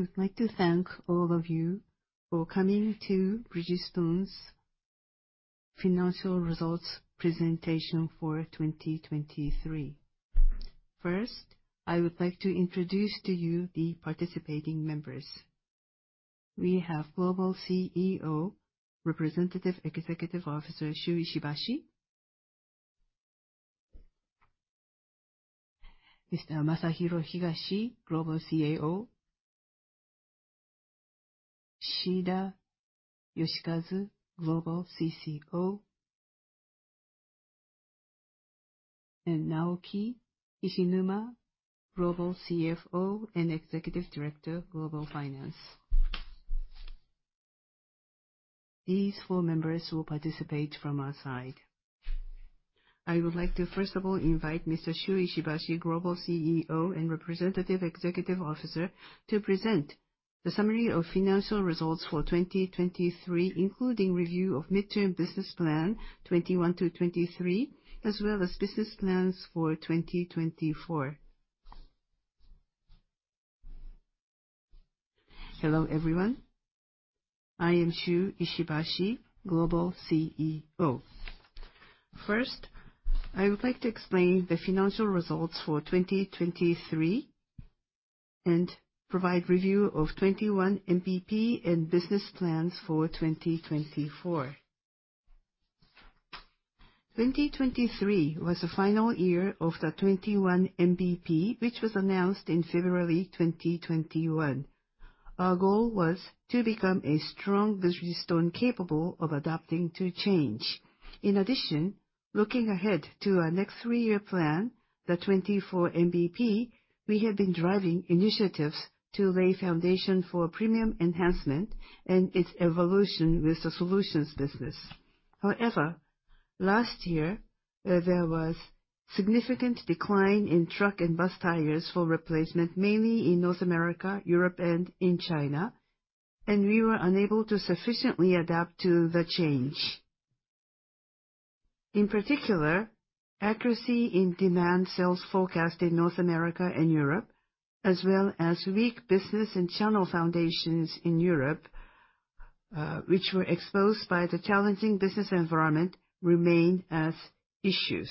I would like to thank all of you for coming to Bridgestone's financial results presentation for 2023. First, I would like to introduce to you the participating members. We have Global CEO, Representative Executive Officer, Shu Ishibashi. Mr. Masahiro Higashi, Global CAO. Shida Yoshikazu, Global CCO. Naoki Hishinuma, Global CFO and Executive Director of Global Finance. These four members will participate from our side. I would like to, first of all, invite Mr. Shu Ishibashi, Global CEO and Representative Executive Officer, to present the summary of financial results for 2023, including review of Mid-Term Business Plan '21 to '23, as well as business plans for 2024. Hello, everyone. I am Shu Ishibashi, Global CEO. First, I would like to explain the financial results for 2023 and provide review of '21 MBP and business plans for 2024. 2023 was the final year of the '21 MBP, which was announced in February 2021. Our goal was to become a strong Bridgestone capable of adapting to change. Looking ahead to our next three-year plan, the '24 MBP, we have been driving initiatives to lay foundation for premium enhancement and its evolution with the solutions business. However, last year, there was significant decline in truck and bus tires for replacement, mainly in North America, Europe, and in China, and we were unable to sufficiently adapt to the change. In particular, accuracy in demand sales forecast in North America and Europe, as well as weak business and channel foundations in Europe, which were exposed by the challenging business environment, remain as issues.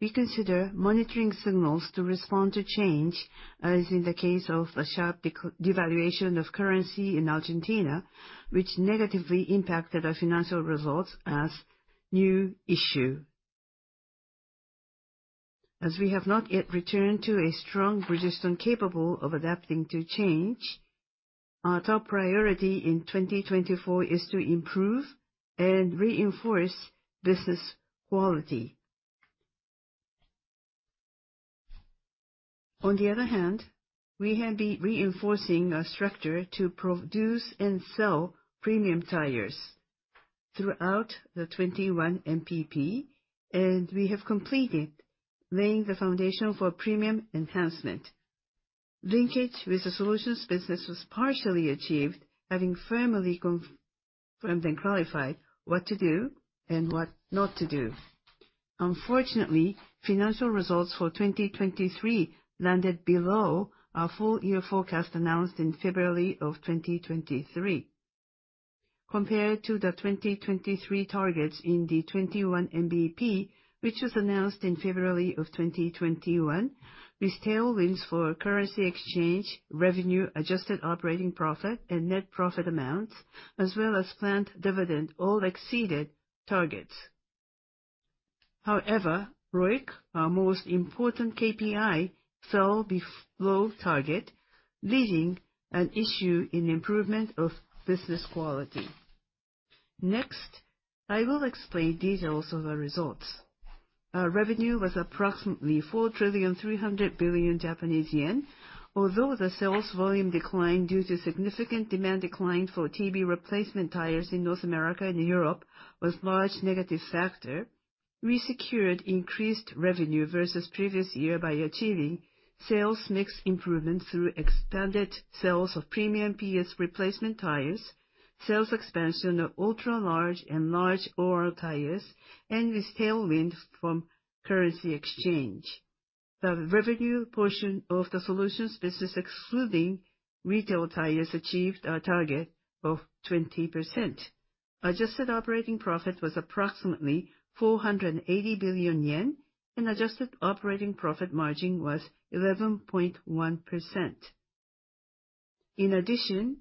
We consider monitoring signals to respond to change, as in the case of the sharp devaluation of currency in Argentina, which negatively impacted our financial results as new issue. As we have not yet returned to a strong Bridgestone capable of adapting to change, our top priority in 2024 is to improve and reinforce business quality. On the other hand, we have been reinforcing our structure to produce and sell premium tires throughout the '21 MBP, and we have completed laying the foundation for premium enhancement. Linkage with the solutions business was partially achieved, having firmly confirmed and clarified what to do and what not to do. Unfortunately, financial results for 2023 landed below our full year forecast announced in February of 2023. Compared to the 2023 targets in the '21 MBP, which was announced in February of 2021, with tailwinds for currency exchange, revenue, adjusted operating profit, and net profit amounts, as well as planned dividend, all exceeded targets. However, ROIC, our most important KPI, fell below target, leaving an issue in improvement of business quality. I will explain details of the results. Our revenue was approximately 4 trillion, 300 billion. Although the sales volume decline due to significant demand decline for TBR replacement tires in North America and Europe was large negative factor, we secured increased revenue versus previous year by achieving sales mix improvements through expanded sales of premium PS replacement tires, sales expansion of ultra large and large OR tires, and with tailwind from currency exchange. The revenue portion of the solutions business, excluding retail tires, achieved our target of 20%. Adjusted operating profit was approximately 480 billion yen and adjusted operating profit margin was 11.1%. In addition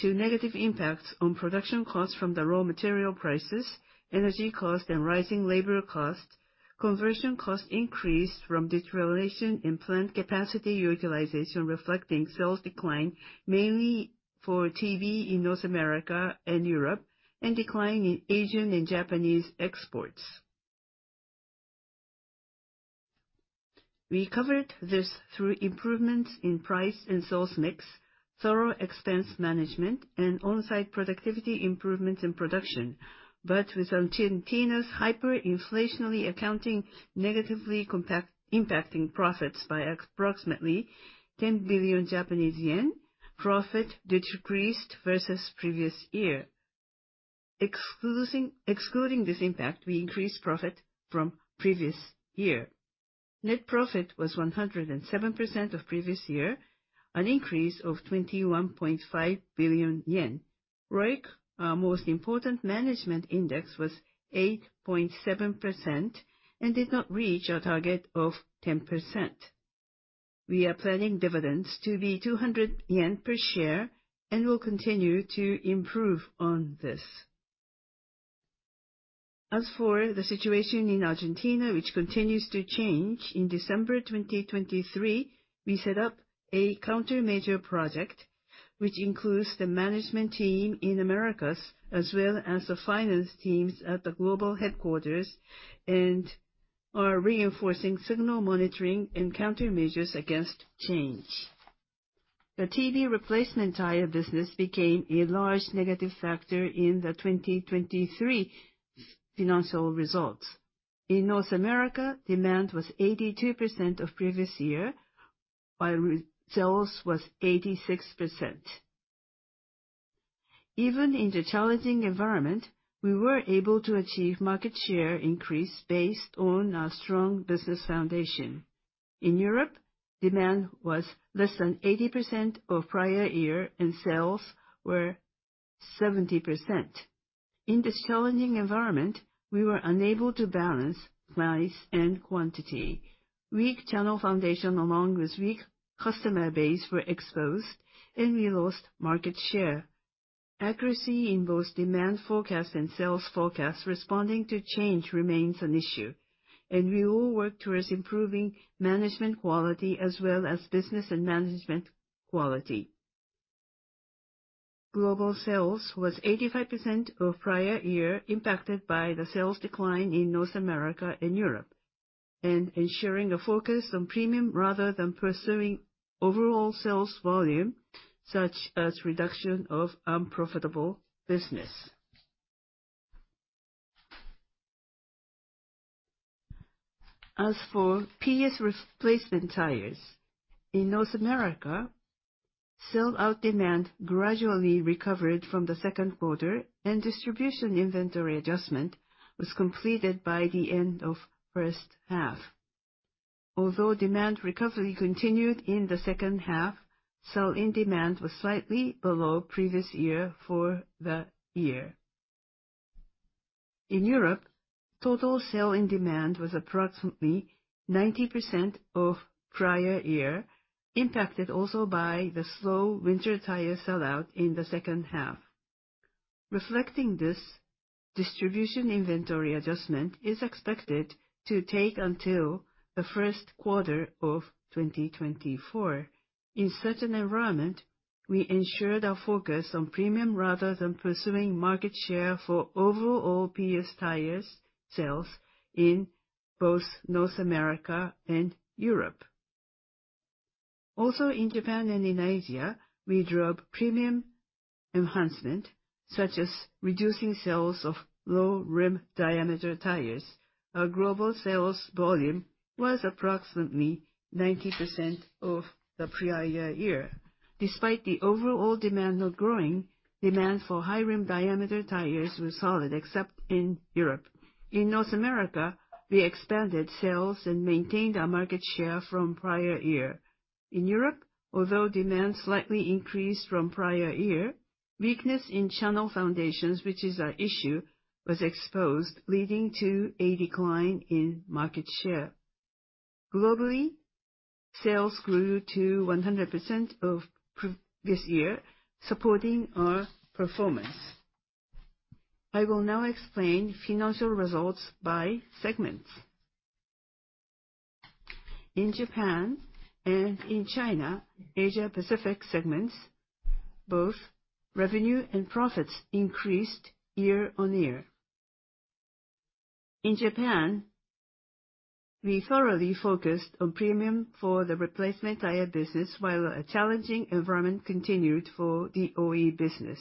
to negative impacts on production costs from the raw material prices, energy cost, and rising labor cost, conversion cost increased from deterioration in plant capacity utilization reflecting sales decline, mainly for TB in North America and Europe, and decline in Asian and Japanese exports. We covered this through improvements in price and sales mix, thorough expense management, and on-site productivity improvements in production. With Argentina's hyperinflationary accounting negatively impacting profits by approximately 10 billion Japanese yen, profit decreased versus previous year. Excluding this impact, we increased profit from previous year. Net profit was 107% of previous year, an increase of 21.5 billion yen. ROIC, our most important management index, was 8.7% and did not reach our target of 10%. We are planning dividends to be 200 yen per share and will continue to improve on this. The situation in Argentina, which continues to change, in December 2023, we set up a countermeasure project, which includes the management team in Americas, as well as the finance teams at the global headquarters, and are reinforcing signal monitoring and countermeasures against change. The TB replacement tire business became a large negative factor in the 2023 financial results. In North America, demand was 82% of previous year, while sales was 86%. Even in the challenging environment, we were able to achieve market share increase based on our strong business foundation. In Europe, demand was less than 80% of prior year, and sales were 70%. In this challenging environment, we were unable to balance price and quantity. Weak channel foundation along with weak customer base were exposed, and we lost market share. Accuracy in both demand forecast and sales forecast responding to change remains an issue, and we will work towards improving management quality as well as business and management quality. Global sales was 85% of prior year, impacted by the sales decline in North America and Europe, and ensuring a focus on premium rather than pursuing overall sales volume, such as reduction of unprofitable business. As for PS replacement tires, in North America, sell-out demand gradually recovered from the second quarter, and distribution inventory adjustment was completed by the end of first half. Although demand recovery continued in the second half, sell-in demand was slightly below previous year for the year. In Europe, total sell-in demand was approximately 90% of prior year, impacted also by the slow winter tire sell-out in the second half. Reflecting this, distribution inventory adjustment is expected to take until the first quarter of 2024. In such an environment, we ensured our focus on premium rather than pursuing market share for overall PS tires sales in both North America and Europe. Also, in Japan and in Asia, we drove premium enhancement, such as reducing sales of low rim diameter tires. Our global sales volume was approximately 90% of the prior year. Despite the overall demand not growing, demand for high rim diameter tires was solid except in Europe. In North America, we expanded sales and maintained our market share from prior year. In Europe, although demand slightly increased from prior year, weakness in channel foundations, which is our issue, was exposed, leading to a decline in market share. Globally, sales grew to 100% of this year, supporting our performance. I will now explain financial results by segments. In Japan and in China, Asia Pacific segments, both revenue and profits increased year on year. In Japan, we thoroughly focused on premium for the replacement tire business while a challenging environment continued for the OE business.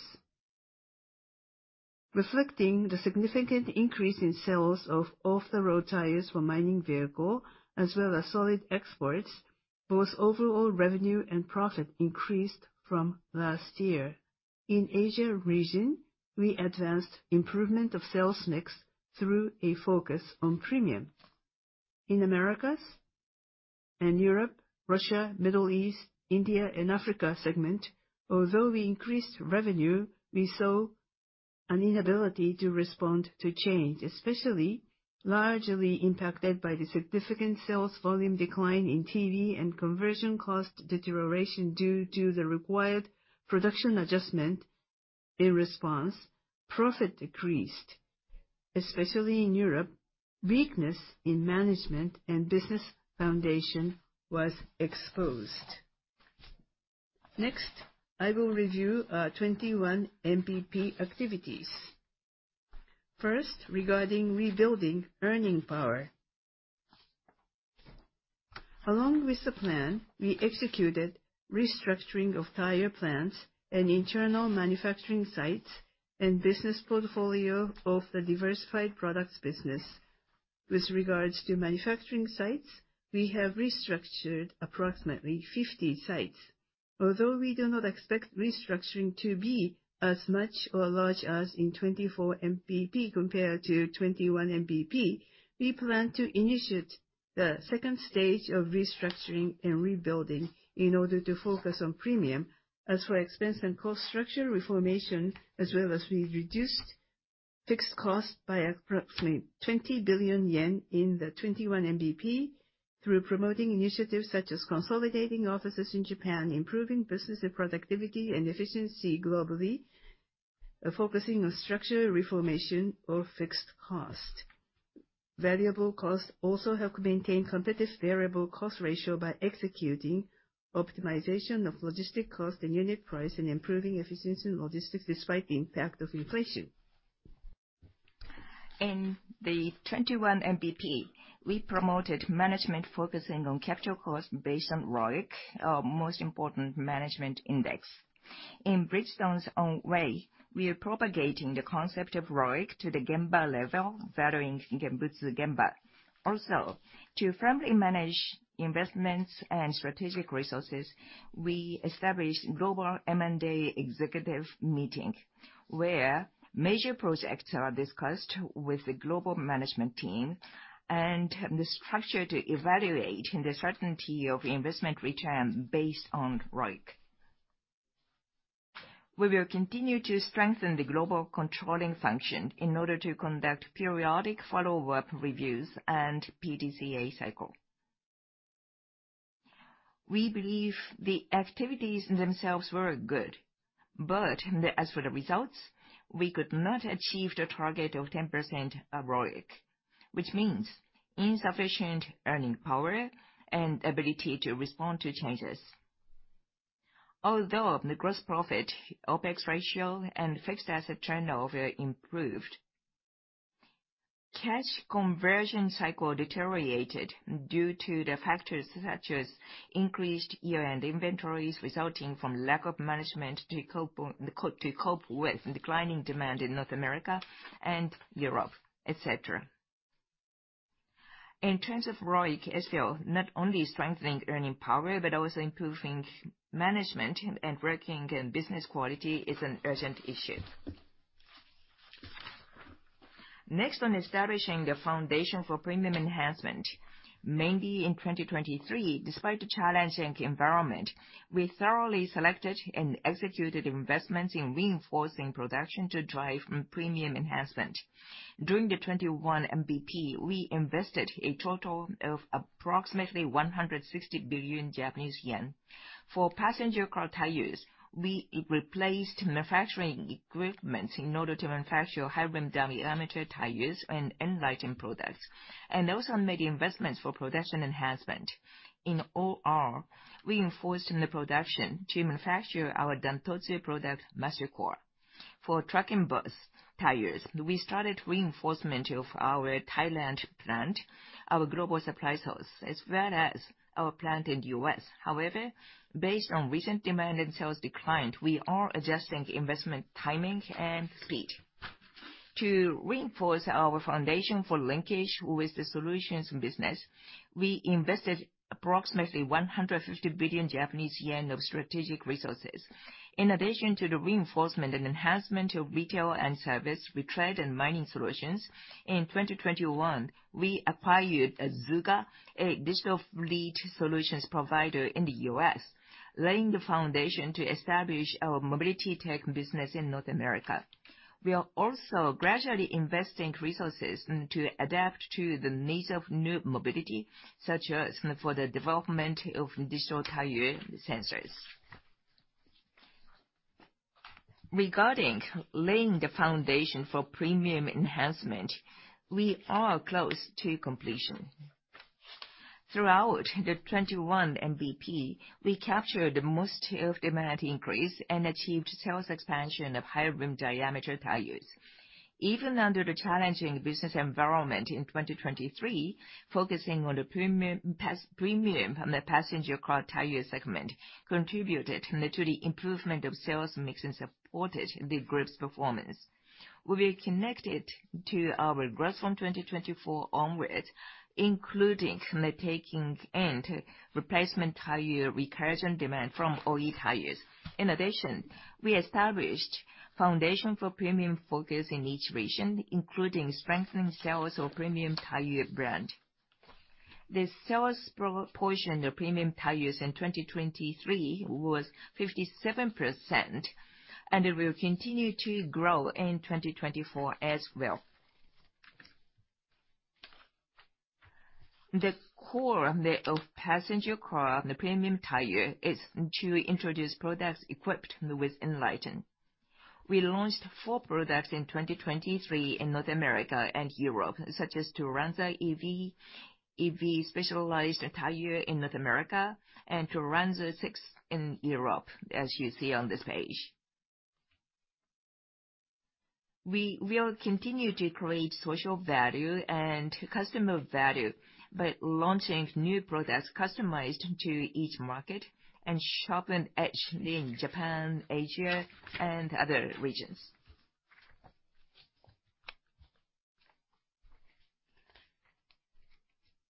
Reflecting the significant increase in sales of Off-the-Road tires for mining vehicle, as well as solid exports, both overall revenue and profit increased from last year. In Asia region, we advanced improvement of sales mix through a focus on premium. In Americas and Europe, Russia, Middle East, India, and Africa segment, although we increased revenue, we saw an inability to respond to change, especially largely impacted by the significant sales volume decline in TBR and conversion cost deterioration due to the required production adjustment. In response, profit decreased. Especially in Europe, weakness in management and business foundation was exposed. Next, I will review our 21MBP activities. First, regarding rebuilding earning power. Along with the plan, we executed restructuring of tire plants and internal manufacturing sites and business portfolio of the diversified products business. With regards to manufacturing sites, we have restructured approximately 50 sites. Although we do not expect restructuring to be as much or large as in 24MBP compared to 21MBP, we plan to initiate the second stage of restructuring and rebuilding in order to focus on premium. As for expense and cost structure reformation, as well as we reduced fixed cost by approximately 20 billion yen in the 21MBP through promoting initiatives such as consolidating offices in Japan, improving business productivity and efficiency globally, focusing on structure reformation of fixed cost. Variable cost also help maintain competitive variable cost ratio by executing optimization of logistic cost and unit price, and improving efficiency in logistics despite the impact of inflation. In the 21MBP, we promoted management focusing on capital cost based on ROIC, our most important management index. In Bridgestone's own way, we are propagating the concept of ROIC to the Gemba level, valuing Genbutsu Genba. Also, to firmly manage investments and strategic resources, we established global M&A executive meeting, where major projects are discussed with the global management team and the structure to evaluate the certainty of investment return based on ROIC. We will continue to strengthen the global controlling function in order to conduct periodic follow-up reviews and PDCA cycle. We believe the activities themselves were good, but as for the results, we could not achieve the target of 10% of ROIC, which means insufficient earning power and ability to respond to changes. Although the gross profit, OpEx ratio, and fixed asset turnover improved, cash conversion cycle deteriorated due to the factors such as increased year-end inventories resulting from lack of management to cope with declining demand in North America and Europe, et cetera. In terms of ROIC as well, not only strengthening earning power, but also improving management and working business quality is an urgent issue. Next, on establishing a foundation for premium enhancement. Mainly in 2023, despite the challenging environment, we thoroughly selected and executed investments in reinforcing production to drive premium enhancement. During the 21MBP, we invested a total of approximately 160 billion Japanese yen. For passenger car tires, we replaced manufacturing equipment in order to manufacture high rim diameter tires and ENLITEN products, and also made investments for production enhancement. In OR, we enforced in the production to manufacture our Dan-Totsu product, MasterCore. For trucking bus tires, we started reinforcement of our Thailand plant, our global supply source, as well as our plant in the U.S. However, based on recent demand and sales declined, we are adjusting investment timing and speed. To reinforce our foundation for linkage with the solutions business, we invested approximately 150 billion Japanese yen of strategic resources. In addition to the reinforcement and enhancement of retail and service, retread and mining solutions, in 2021, we acquired Azuga, a digital fleet solutions provider in the U.S., laying the foundation to establish our mobility tech business in North America. We are also gradually investing resources to adapt to the needs of new mobility, such as for the development of digital tire sensors. Regarding laying the foundation for premium enhancement, we are close to completion. Throughout the 21MBP, we captured most of demand increase and achieved sales expansion of high rim diameter tires. Even under the challenging business environment in 2023, focusing on the premium on the passenger car tire segment contributed to the improvement of sales mix and supported the group's performance. We were connected to our growth from 2024 onwards, including the taking in replacement tire recurring demand from OE tires. In addition, we established foundation for premium focus in each region, including strengthening sales of premium tire brand. The sales proportion of premium tires in 2023 was 57%, and it will continue to grow in 2024 as well. The core of passenger car premium tire is to introduce products equipped with ENLITEN. We launched four products in 2023 in North America and Europe, such as Turanza EV specialized tire in North America, and Turanza 6 in Europe, as you see on this page. We will continue to create social value and customer value by launching new products customized to each market and sharpen edge in Japan, Asia, and other regions.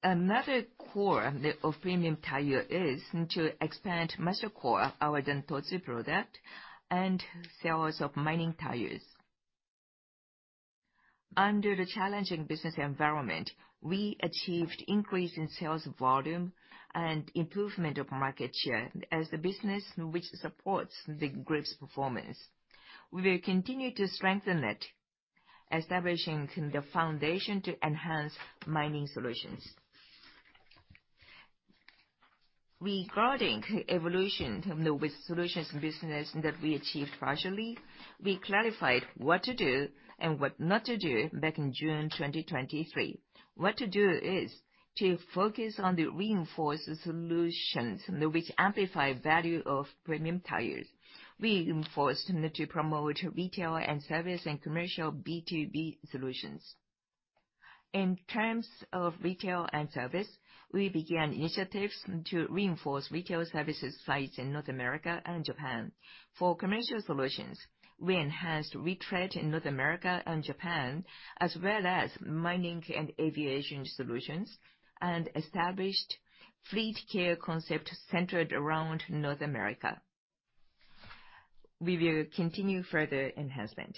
Another core of premium tire is to expand MasterCore, our Dan-Totsu product, and sales of mining tires. Under the challenging business environment, we achieved increase in sales volume and improvement of market share as the business which supports the group's performance. We will continue to strengthen it, establishing the foundation to enhance mining solutions. Regarding evolution of the solutions business that we achieved partially, we clarified what to do and what not to do back in June 2023. What to do is to focus on the reinforced solutions which amplify value of premium tires. We enforced to promote retail and service and commercial B2B solutions. In terms of retail and service, we began initiatives to reinforce retail services sites in North America and Japan. For commercial solutions, we enhanced retread in North America and Japan, as well as mining and aviation solutions, and established Fleet Care concept centered around North America. We will continue further enhancement.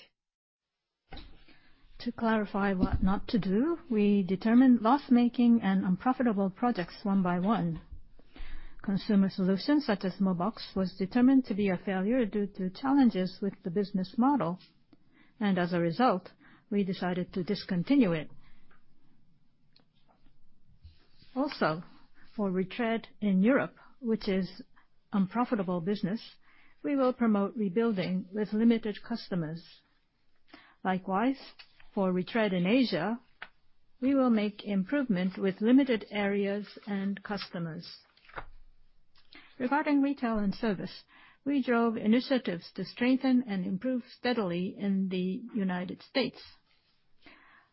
To clarify what not to do, we determined loss-making and unprofitable projects one by one. Consumer solutions, such as Mobox, was determined to be a failure due to challenges with the business model, and as a result, we decided to discontinue it. Also, for retread in Europe, which is unprofitable business, we will promote rebuilding with limited customers. Likewise, for retread in Asia, we will make improvements with limited areas and customers. Regarding retail and service, we drove initiatives to strengthen and improve steadily in the United States.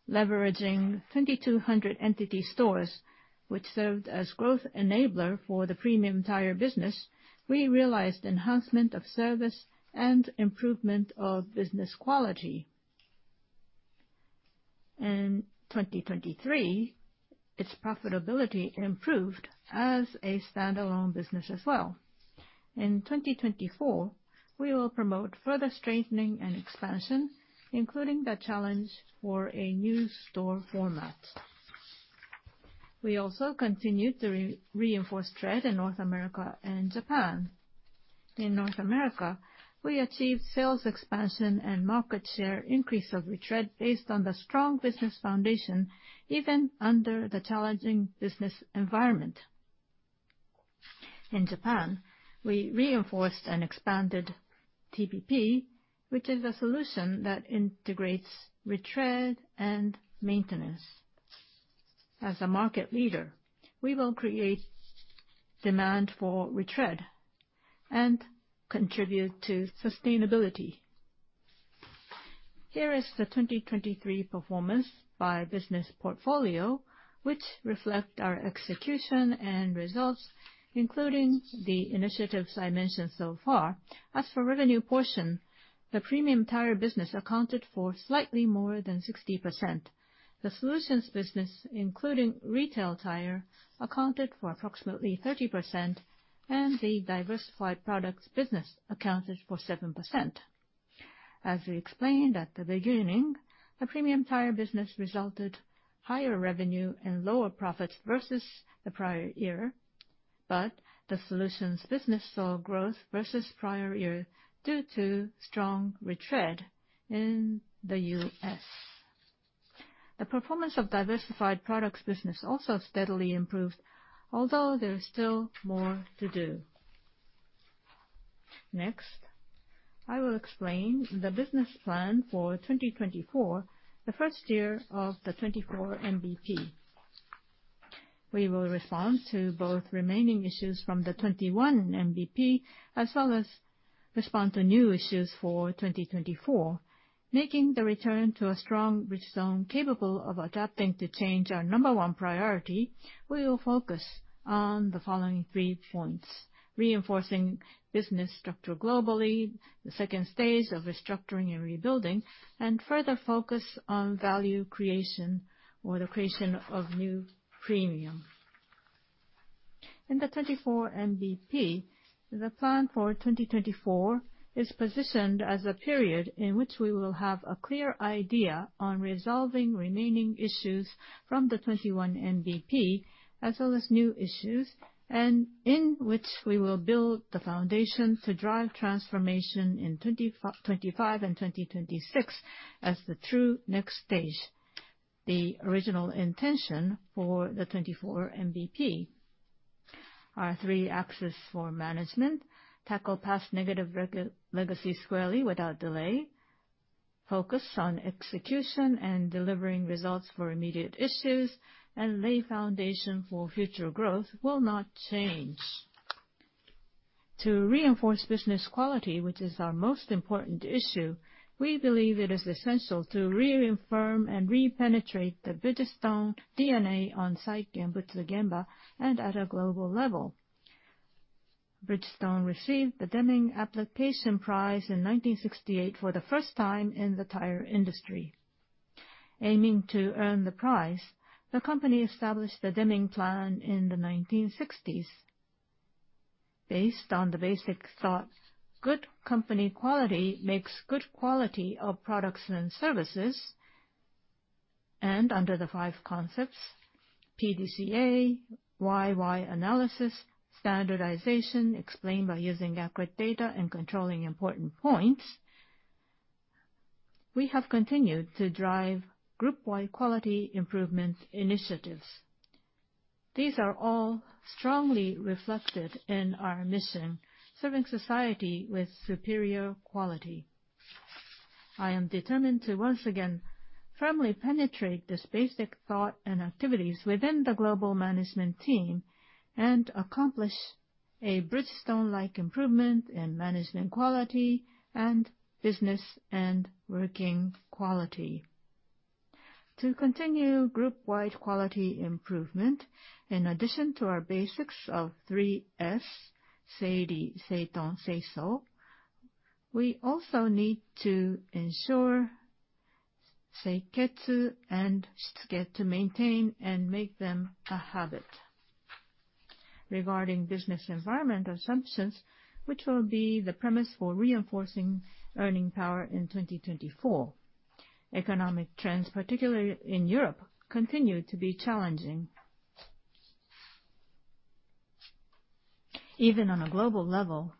Leveraging 2,200 entity stores, which served as growth enabler for the premium tire business, we realized enhancement of service and improvement of business quality. In 2023, its profitability improved as a standalone business as well. In 2024, we will promote further strengthening and expansion, including the challenge for a new store format. We also continued to reinforce tread in North America and Japan. In North America, we achieved sales expansion and market share increase of retread based on the strong business foundation, even under the challenging business environment. In Japan, we reinforced and expanded TPP, which is a solution that integrates retread and maintenance. As a market leader, we will create demand for retread and contribute to sustainability. Here is the 2023 performance by business portfolio, which reflect our execution and results, including the initiatives I mentioned so far. As for revenue portion, the premium tire business accounted for slightly more than 60%. The solutions business, including retail tire, accounted for approximately 30%, and the diversified products business accounted for 7%. As we explained at the beginning, the premium tire business resulted higher revenue and lower profits versus the prior year, but the solutions business saw growth versus prior year due to strong retread in the U.S. The performance of diversified products business also steadily improved, although there is still more to do. Next, I will explain the business plan for 2024, the first year of the 24MBP. We will respond to both remaining issues from the 21MBP, as well as respond to new issues for 2024. Making the return to a strong Bridgestone capable of adapting to change our number one priority, we will focus on the following three points: reinforcing business structure globally, the second stage of restructuring and rebuilding, and further focus on value creation or the creation of new premium. In the 24MBP, the plan for 2024 is positioned as a period in which we will have a clear idea on resolving remaining issues from the 21MBP as well as new issues, and in which we will build the foundation to drive transformation in 2025 and 2026 as the true next stage, the original intention for the 24MBP. Our three axes for management: tackle past negative legacy squarely without delay, focus on execution and delivering results for immediate issues, and lay foundation for future growth will not change. To reinforce business quality, which is our most important issue, we believe it is essential to reaffirm and re-penetrate the Bridgestone DNA on site, the Gemba, and at a global level. Bridgestone received the Deming Application Prize in 1968 for the first time in the tire industry. Aiming to earn the prize, the company established the Deming Plan in the 1960s. Based on the basic thought, good company quality makes good quality of products and services, and under the five concepts, PDCA, why-why analysis, standardization explained by using accurate data and controlling important points, we have continued to drive group-wide quality improvement initiatives. These are all strongly reflected in our mission, serving society with superior quality. I am determined to once again firmly penetrate this basic thought and activities within the global management team, and accomplish a Bridgestone-like improvement in management quality and business and working quality. To continue group-wide quality improvement, in addition to our basics of 3S, seiri, seiton, seiso, we also need to ensure seiketsu and shitsuke to maintain and make them a habit. Regarding business environment assumptions, which will be the premise for reinforcing earning power in 2024, economic trends, particularly in Europe, continue to be challenging. Even on a global level,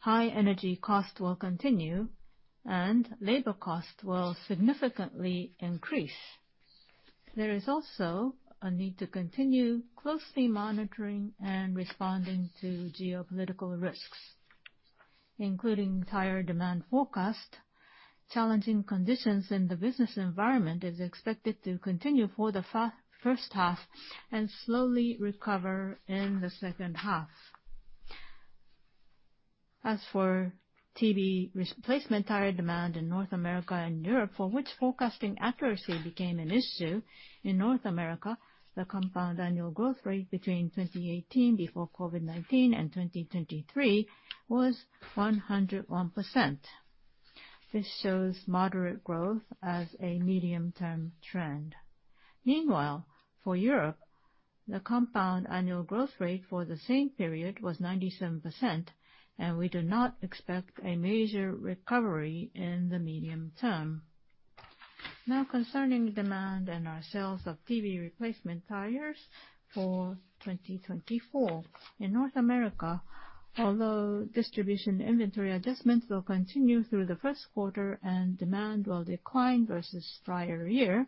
high energy cost will continue, and labor cost will significantly increase. There is also a need to continue closely monitoring and responding to geopolitical risks, including tire demand forecast. Challenging conditions in the business environment is expected to continue for the first half, and slowly recover in the second half. As for TB replacement tire demand in North America and Europe, for which forecasting accuracy became an issue, in North America, the compound annual growth rate between 2018, before COVID-19, and 2023 was 101%. This shows moderate growth as a medium-term trend. Meanwhile, for Europe, the compound annual growth rate for the same period was 97%, and we do not expect a major recovery in the medium term. Now concerning demand and our sales of TB replacement tires for 2024. In North America, although distribution inventory adjustments will continue through the first quarter and demand will decline versus prior year,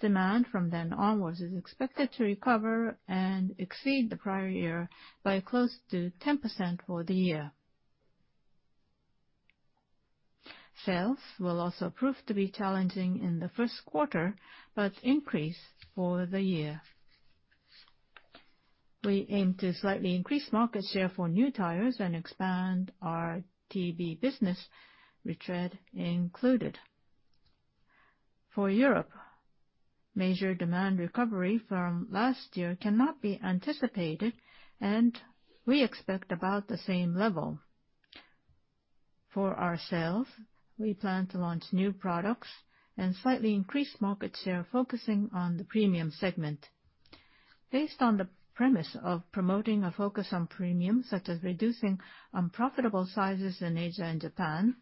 demand from then onwards is expected to recover and exceed the prior year by close to 10% for the year. Sales will also prove to be challenging in the first quarter, but increase for the year. We aim to slightly increase market share for new tires and expand our TB business, retread included. For Europe, major demand recovery from last year cannot be anticipated, and we expect about the same level. For our sales, we plan to launch new products and slightly increase market share, focusing on the premium segment. Based on the premise of promoting a focus on premium, such as reducing unprofitable sizes in Asia and Japan,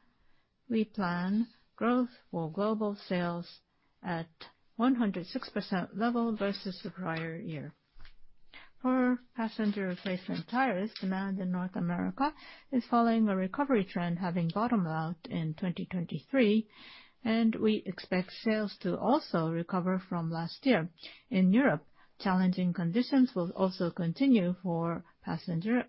we plan growth for global sales at 106% level versus the prior year. For passenger replacement tires, demand in North America is following a recovery trend having bottomed out in 2023, and we expect sales to also recover from last year. In Europe, challenging conditions will also continue for passenger,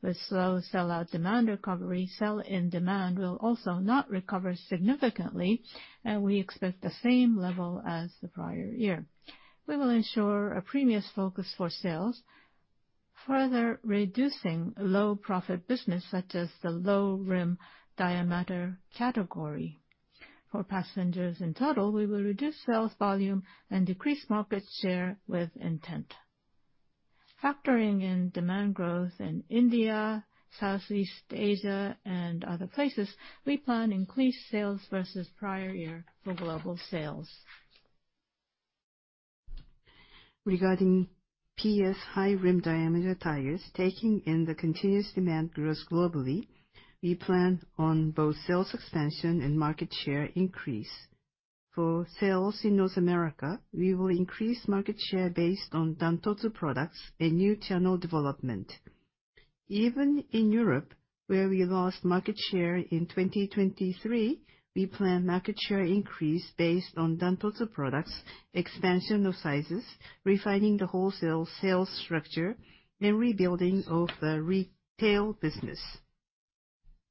with slow sell-out demand recovery. Sell-in demand will also not recover significantly, and we expect the same level as the prior year. We will ensure a premium focus for sales, further reducing low profit business, such as the low rim diameter category. For passengers in total, we will reduce sales volume and decrease market share with intent. Factoring in demand growth in India, Southeast Asia, and other places, we plan increased sales versus prior year for global sales. Regarding PS high rim diameter tires, taking in the continuous demand growth globally, we plan on both sales expansion and market share increase. For sales in North America, we will increase market share based on Dantotsu products and new channel development. Even in Europe, where we lost market share in 2023, we plan market share increase based on Dantotsu products, expansion of sizes, refining the wholesale sales structure, and rebuilding of the retail business.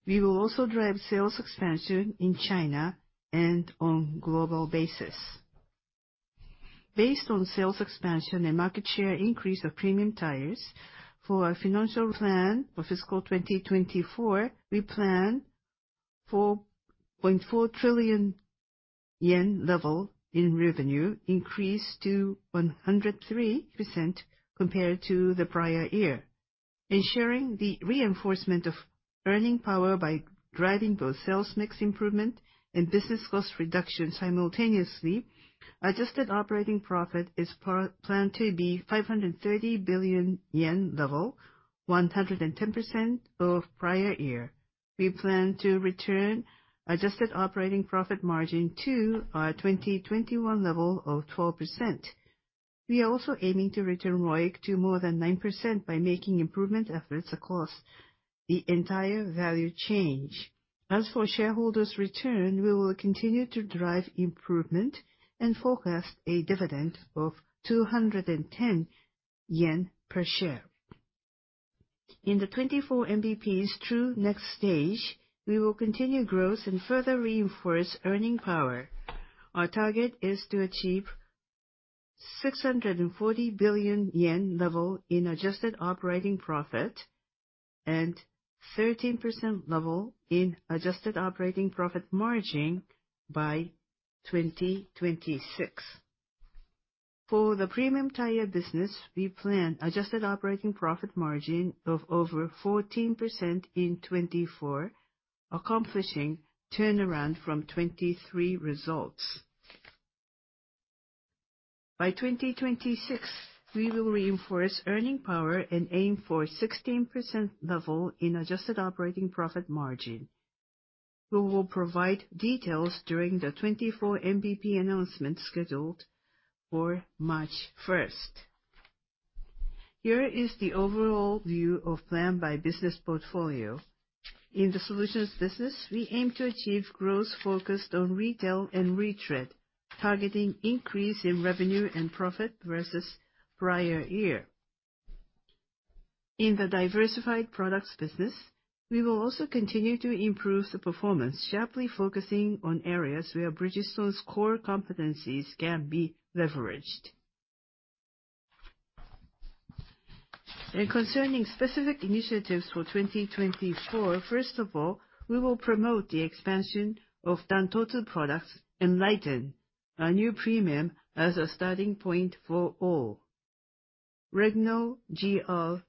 We will also drive sales expansion in China and on global basis. Based on sales expansion and market share increase of premium tires, for our financial plan for fiscal 2024, we plan JPY 4.4 trillion level in revenue, increase to 103% compared to the prior year. Ensuring the reinforcement of earning power by driving both sales mix improvement and business cost reduction simultaneously, adjusted operating profit is planned to be 530 billion yen level, 110% of prior year. We plan to return adjusted operating profit margin to our 2021 level of 12%. We are also aiming to return ROIC to more than 9% by making improvement efforts across the entire value chain. As for shareholders' return, we will continue to drive improvement and forecast a dividend of 210 yen per share. In the 24MBP's true next stage, we will continue growth and further reinforce earning power. Our target is to achieve 640 billion yen level in adjusted operating profit and 13% level in adjusted operating profit margin by 2026. For the premium tire business, we plan adjusted operating profit margin of over 14% in 2024, accomplishing turnaround from 2023 results. By 2026, we will reinforce earning power and aim for 16% level in adjusted operating profit margin. We will provide details during the 24MBP announcement scheduled for March 1st. Here is the overall view of plan by business portfolio. In the solutions business, we aim to achieve growth focused on retail and retread, targeting increase in revenue and profit versus prior year. In the diversified products business, we will also continue to improve the performance, sharply focusing on areas where Bridgestone's core competencies can be leveraged. Concerning specific initiatives for 2024, first of all, we will promote the expansion of Dantotsu products, ENLITEN, our new premium, as a starting point for all. REGNO GR-XIII,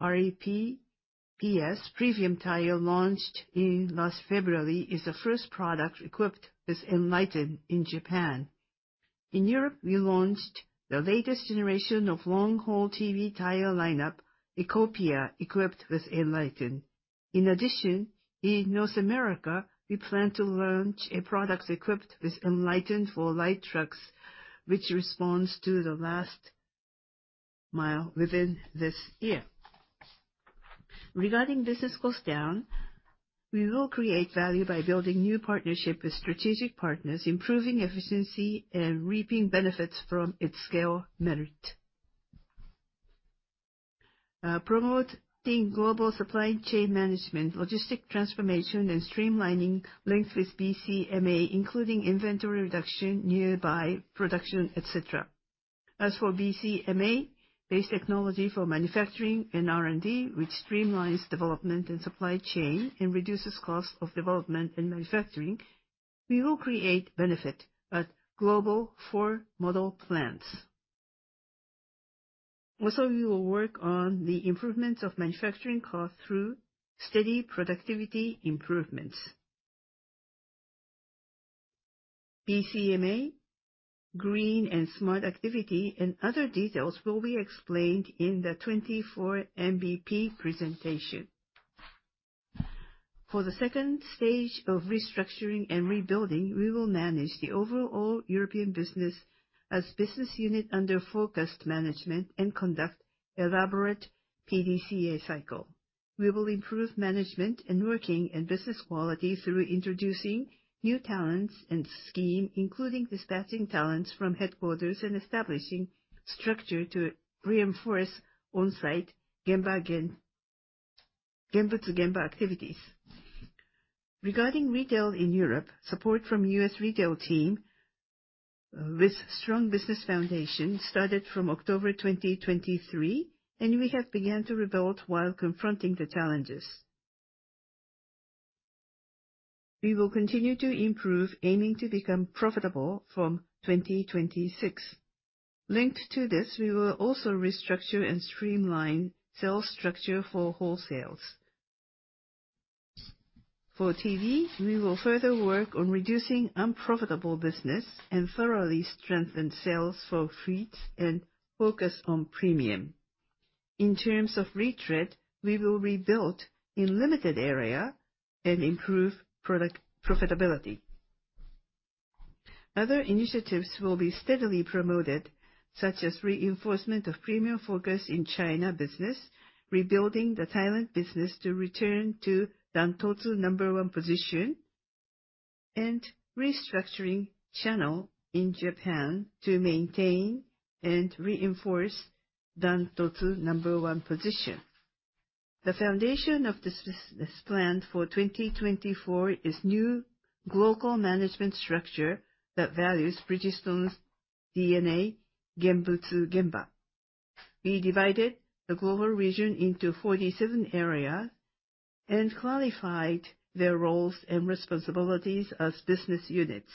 REPS, premium tire launched in last February, is the first product equipped with ENLITEN in Japan. In Europe, we launched the latest generation of long-haul TBR tire lineup, Ecopia, equipped with ENLITEN. In addition, in North America, we plan to launch a product equipped with ENLITEN for light trucks which responds to the last mile within this year. Regarding business cost down, we will create value by building new partnership with strategic partners, improving efficiency and reaping benefits from its scale merit. Promoting global supply chain management, logistic transformation and streamlining linked with BCMA, including inventory reduction, nearby production, et cetera. As for BCMA, base technology for manufacturing and R&D, which streamlines development and supply chain and reduces cost of development and manufacturing, we will create benefit at global four model plants. Also, we will work on the improvements of manufacturing cost through steady productivity improvements. BCMA, green and smart activity, and other details will be explained in the 24MBP presentation. For the second stage of restructuring and rebuilding, we will manage the overall European business as business unit under focused management and conduct elaborate PDCA cycle. We will improve management and working and business quality through introducing new talents and scheme, including dispatching talents from headquarters and establishing structure to reinforce on-site Gemba-to-Gemba activities. Regarding retail in Europe, support from U.S. retail team with strong business foundation started from October 2023, and we have begun to rebuild while confronting the challenges. We will continue to improve, aiming to become profitable from 2026. Linked to this, we will also restructure and streamline sales structure for wholesales. For TBR, we will further work on reducing unprofitable business and thoroughly strengthen sales for fleet and focus on premium. In terms of retread, we will rebuild in limited area and improve profitability. Other initiatives will be steadily promoted, such as reinforcement of premium focus in China business, rebuilding the Thailand business to return to Dan-totsu number one position, and restructuring channel in Japan to maintain and reinforce Dan-totsu number one position. The foundation of this business plan for 2024 is new glocal management structure that values Bridgestone's DNA, Genbutsu Genba. We divided the global region into 47 areas and clarified their roles and responsibilities as business units.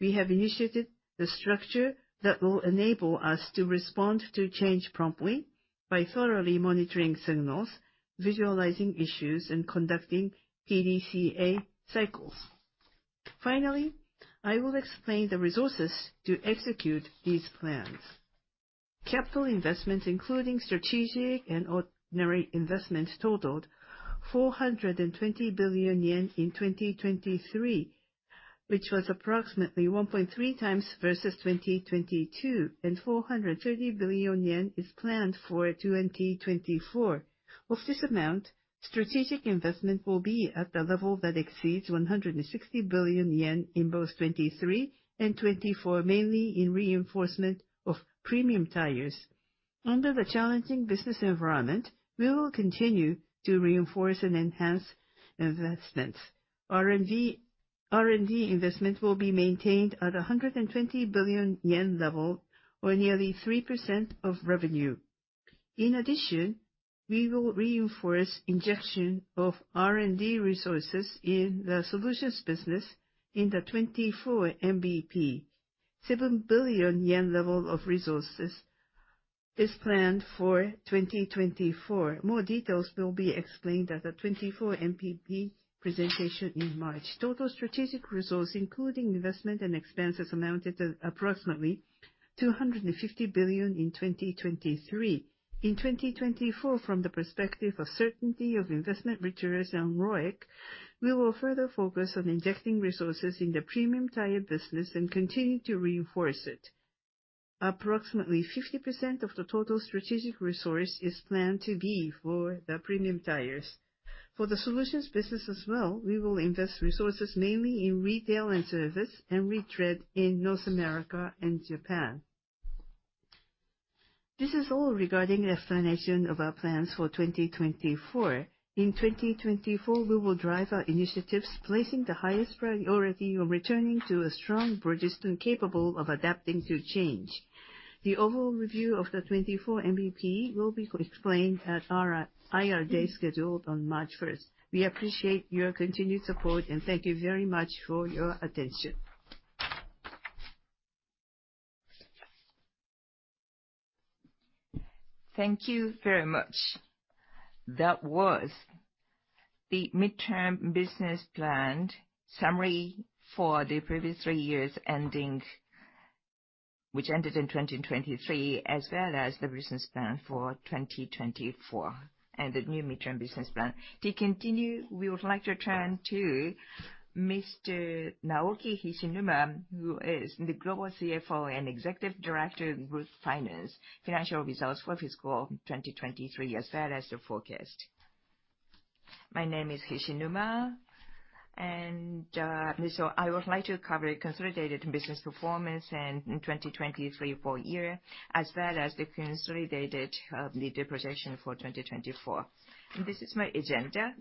We have initiated the structure that will enable us to respond to change promptly by thoroughly monitoring signals, visualizing issues, and conducting PDCA cycles. Finally, I will explain the resources to execute these plans. Capital investments, including strategic and ordinary investments, totaled 420 billion yen in 2023, which was approximately 1.3 times versus 2022, and 430 billion yen is planned for 2024. Of this amount, strategic investment will be at the level that exceeds 160 billion yen in both 2023 and 2024, mainly in reinforcement of premium tires. Under the challenging business environment, we will continue to reinforce and enhance investments. R&D investment will be maintained at 120 billion yen level, or nearly 3% of revenue. In addition, we will reinforce injection of R&D resources in the solutions business in the 24MBP. 7 billion yen level of resources is planned for 2024. More details will be explained at the 24MBP presentation in March. Total strategic resource, including investment and expenses, amounted approximately 250 billion in 2023. In 2024, from the perspective of certainty of investment returns and ROIC, we will further focus on injecting resources in the premium tire business and continue to reinforce it. Approximately 50% of the total strategic resource is planned to be for the premium tires. For the solutions business as well, we will invest resources mainly in retail and service and retread in North America and Japan. This is all regarding explanation of our plans for 2024. In 2024, we will drive our initiatives placing the highest priority on returning to a strong position capable of adapting to change. The overall review of the 24MBP will be explained at our IR day scheduled on March 1st. We appreciate your continued support, and thank you very much for your attention. Thank you very much. That was the midterm business plan summary for the previous three years, which ended in 2023, as well as the business plan for 2024 and the new midterm business plan. To continue, we would like to turn to Mr. Naoki Hishinuma, who is the Global CFO and Executive Director of Global Finance. Financial results for fiscal 2023 as well as the forecast. My name is Hishinuma, I would like to cover consolidated business performance in 2023 full year, as well as the consolidated mid-term projection for 2024. This is my agenda,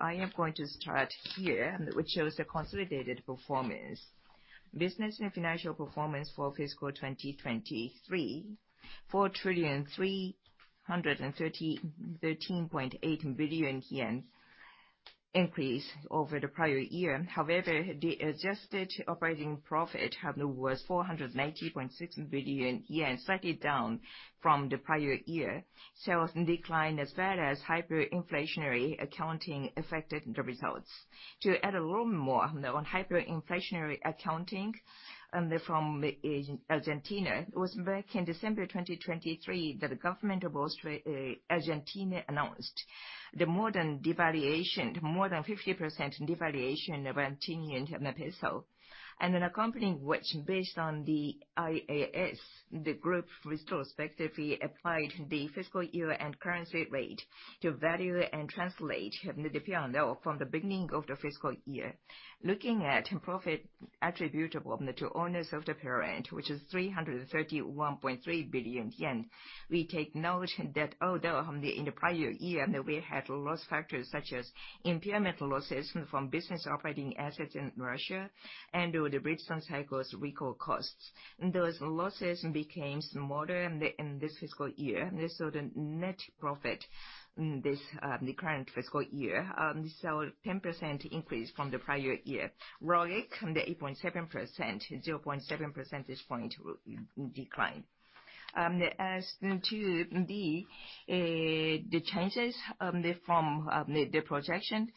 I am going to start here, which shows the consolidated performance. Business and financial performance for fiscal 2023, JPY 4 trillion 313.8 billion increase over the prior year. However, the adjusted operating profit was 490.6 billion yen, slightly down from the prior year. Sales decline as well as hyperinflationary accounting affected the results. To add a little more on hyperinflationary accounting from Argentina, it was back in December 2023 that the government of Argentina announced the more than 50% devaluation of Argentinian peso. Accompanying, which based on the IAS, the group retrospectively applied the fiscal year and currency rate to value and translate the peso from the beginning of the fiscal year. Looking at profit attributable to owners of the parent, which is 331.3 billion yen, we take note that although in the prior year, we had loss factors such as impairment losses from business operating assets in Russia and the Bridgestone Cycle recall costs. Those losses became smaller in this fiscal year, the net profit in the current fiscal year saw 10% increase from the prior year. ROIC, 8.7%, 0.7 percentage point decline. As to B, the changes from the projection.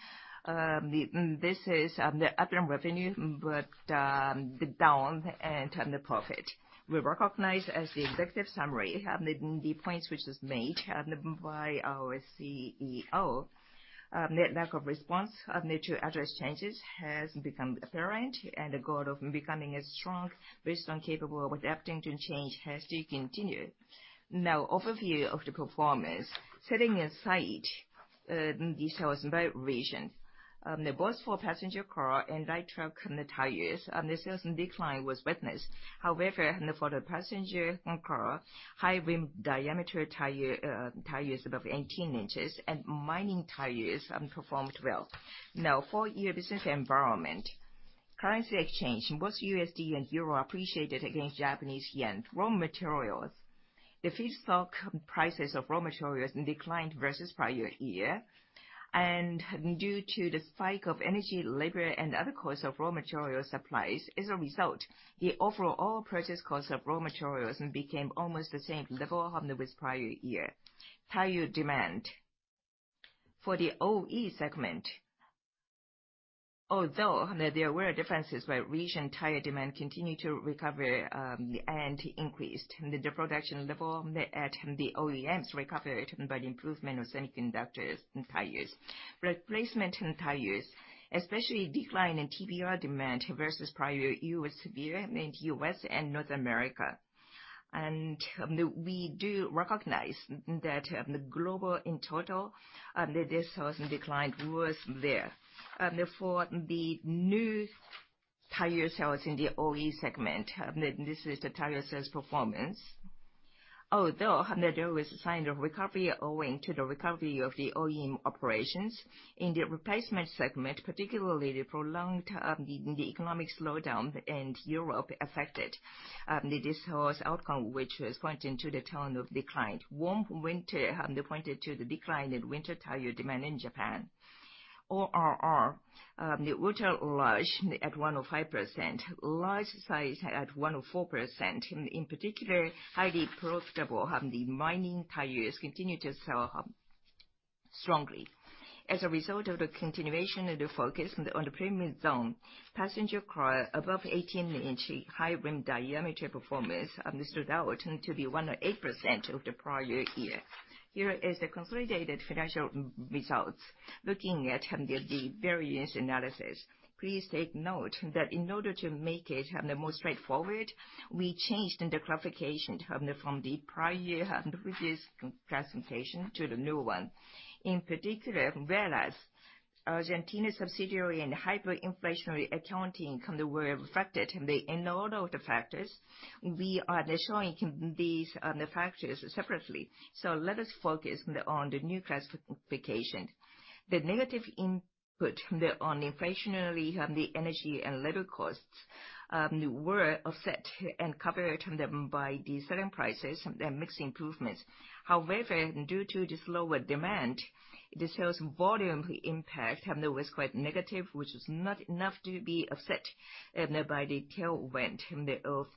This is the up in revenue, but the down in the profit. We recognize as the executive summary, the points which was made by our CEO, that lack of response to address changes has become apparent, and the goal of becoming a strong Bridgestone capable of adapting to change has to continue. Overview of the performance. Setting aside the sales by region, both for passenger car and light truck tires, the sales decline was witnessed. However, for the passenger car, high rim diameter tires above 18 inches and mining tires performed well. Four-year business environment. Currency exchange. Both USD and EUR appreciated against Japanese yen. Raw materials. The feedstock prices of raw materials declined versus prior year, due to the spike of energy, labor, and other costs of raw material supplies, as a result, the overall purchase cost of raw materials became almost the same level as the previous year. Tire demand. For the OE segment, although there were differences by region, tire demand continued to recover, increased the production level at the OEMs recovered by the improvement of semiconductors and tires. Replacement tires, especially decline in TBR demand versus prior year was severe in U.S. and North America. We do recognize that the global in total, the sales declined was there. For the new tire sales in the OE segment, this is the tire sales performance. There was a sign of recovery owing to the recovery of the OEM operations in the replacement segment, particularly the prolonged economic slowdown in Europe affected the sales outcome, which is pointing to the tone of decline. Warm winter pointed to the decline in winter tire demand in Japan. ORR, the ultra-large at 105%, large size at 104%, in particular, highly profitable, the mining tires continued to sell strongly. As a result of the continuation of the focus on the premium zone, passenger car above 18-inch high rim diameter performance stood out to be 108% of the prior year. Here is the consolidated financial results. Looking at the variance analysis, please take note that in order to make it more straightforward, we changed the classification from the prior year previous classification to the new one. In particular, whereas Argentina subsidiary and hyperinflationary accounting were affected. In all of the factors, we are showing these factors separately. Let us focus on the new classification. The negative input on inflationary energy and labor costs were offset and covered by the selling prices and mix improvements. Due to the slower demand, the sales volume impact was quite negative, which was not enough to be offset by the tailwind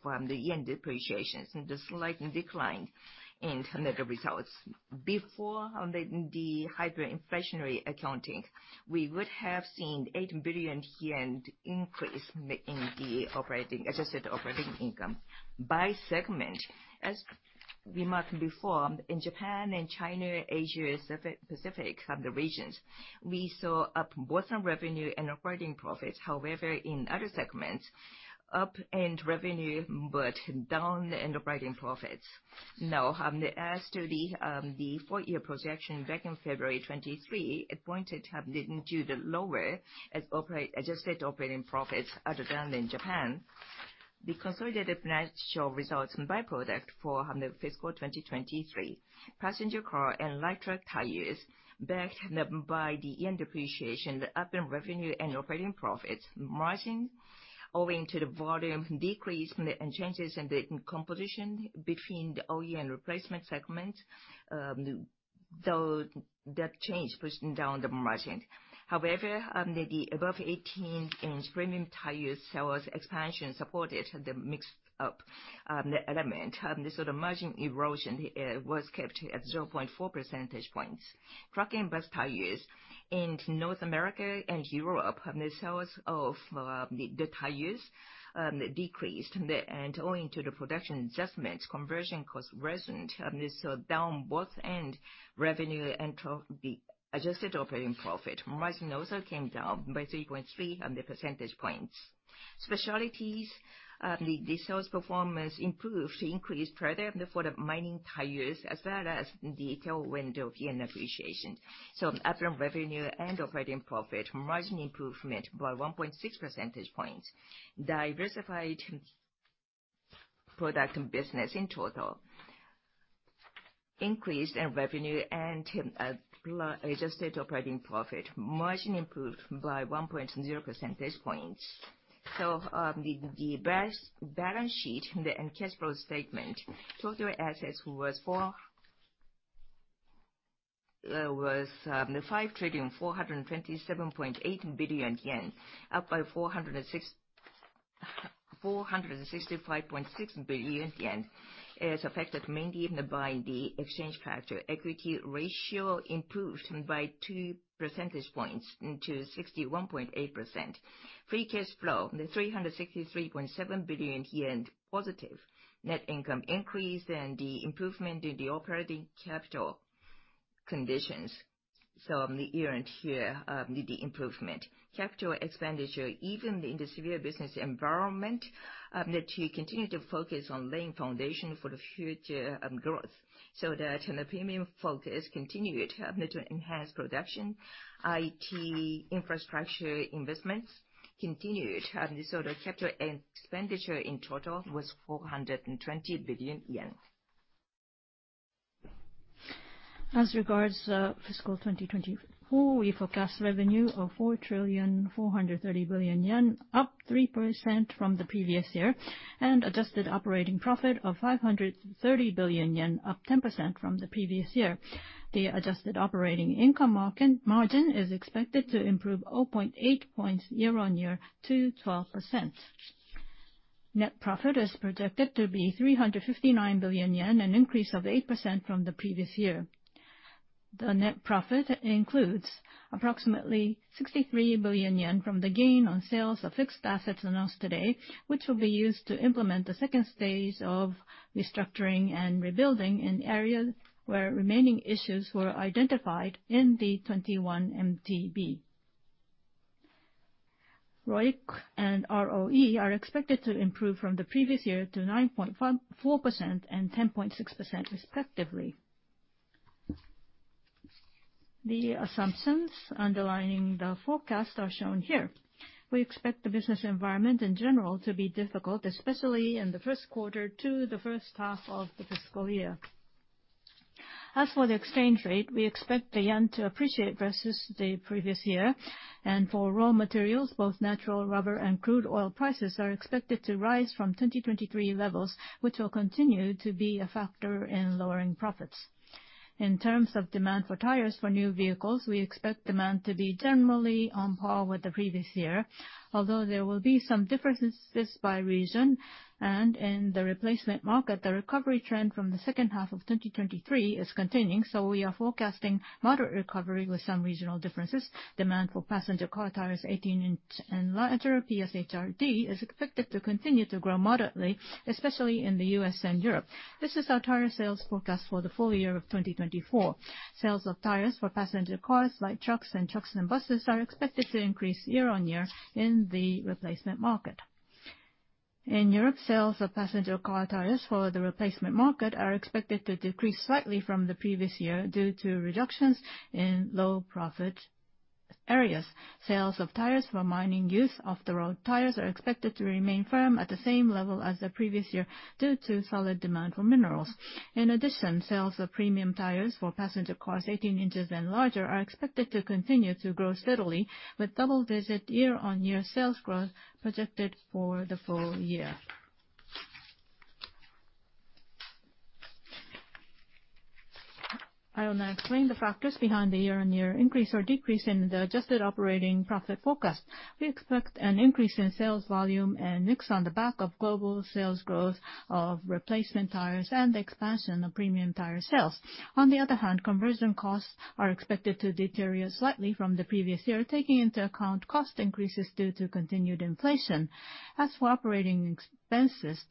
from the yen depreciations and the slight decline in the results. Before the hyperinflationary accounting, we would have seen 8 billion yen increase in the adjusted operating income by segment. As remarked before, in Japan and China, Asia-Pacific regions, we saw up both on revenue and operating profits. In other segments, up in revenue but down in operating profits. Now, as to the full-year projection back in February 2023, it pointed due to lower adjusted operating profits other than in Japan. The consolidated financial results by product for the fiscal 2023. Passenger car and light truck tires backed by the yen depreciation, up in revenue and operating profits. Margin, owing to the volume decrease and changes in the composition between the OE and replacement segment, though that change pushed down the margin. The above 18-inch premium tire sales expansion supported the mixed up element. The margin erosion was kept at 0.4 percentage points. Truck and bus tires in North America and Europe, the sales of the tires decreased. Owing to the production adjustments, conversion cost risen. This saw down both in revenue and the adjusted operating profit. Margin also came down by 3.3 percentage points. Specialties. The sales performance improved increase product for the mining tires as well as the tailwind of yen appreciation. Up in revenue and operating profit. Margin improvement by 1.6 percentage points. Diversified product business in total increased in revenue and adjusted operating profit. Margin improved by 1.0 percentage points. The balance sheet and cash flow statement. Total assets was 5,427.8 billion yen, up by 465.6 billion yen, is affected mainly by the exchange factor. Equity ratio improved by two percentage points to 61.8%. Free cash flow, 363.7 billion yen positive. Net income increased and the improvement in the operating capital conditions. Year on year, the improvement. Capital expenditure, even in the severe business environment, to continue to focus on laying foundation for the future growth so that the premium focus continued to enhance production. IT infrastructure investments continued, the capital expenditure in total was 420 billion yen. As regards fiscal 2024, we forecast revenue of 4 trillion 430 billion, up 3% from the previous year. Adjusted operating profit of 530 billion yen, up 10% from the previous year. The adjusted operating income margin is expected to improve 0.8 points year-on-year to 12%. Net profit is projected to be 359 billion yen, an increase of 8% from the previous year. The net profit includes approximately 63 billion yen from the gain on sales of fixed assets announced today, which will be used to implement the second stage of restructuring and rebuilding in areas where remaining issues were identified in the 2021 MBP. ROIC and ROE are expected to improve from the previous year to 9.4% and 10.6% respectively. The assumptions underlying the forecast are shown here. We expect the business environment in general to be difficult, especially in the first quarter to the first half of the fiscal year. As for the exchange rate, we expect the yen to appreciate versus the previous year. For raw materials, both natural rubber and crude oil prices are expected to rise from 2023 levels, which will continue to be a factor in lowering profits. In terms of demand for tires for new vehicles, we expect demand to be generally on par with the previous year, although there will be some differences by region. In the replacement market, the recovery trend from the second half of 2023 is continuing, so we are forecasting moderate recovery with some regional differences. Demand for passenger car tires 18 inch and larger, PS HRD, is expected to continue to grow moderately, especially in the U.S. and Europe. This is our tire sales forecast for the full year of 2024. Sales of tires for passenger cars, light trucks, and trucks and buses are expected to increase year-on-year in the replacement market. In Europe, sales of passenger car tires for the replacement market are expected to decrease slightly from the previous year due to reductions in low profit areas. Sales of tires for mining use, Off-the-Road tires, are expected to remain firm at the same level as the previous year due to solid demand for minerals. In addition, sales of premium tires for passenger cars 18 inches and larger are expected to continue to grow steadily, with double-digit year-on-year sales growth projected for the full year. I will now explain the factors behind the year-on-year increase or decrease in the adjusted operating profit forecast. We expect an increase in sales volume and mix on the back of global sales growth of replacement tires and the expansion of premium tire sales. On the other hand, conversion costs are expected to deteriorate slightly from the previous year, taking into account cost increases due to continued inflation. As for operating expenses,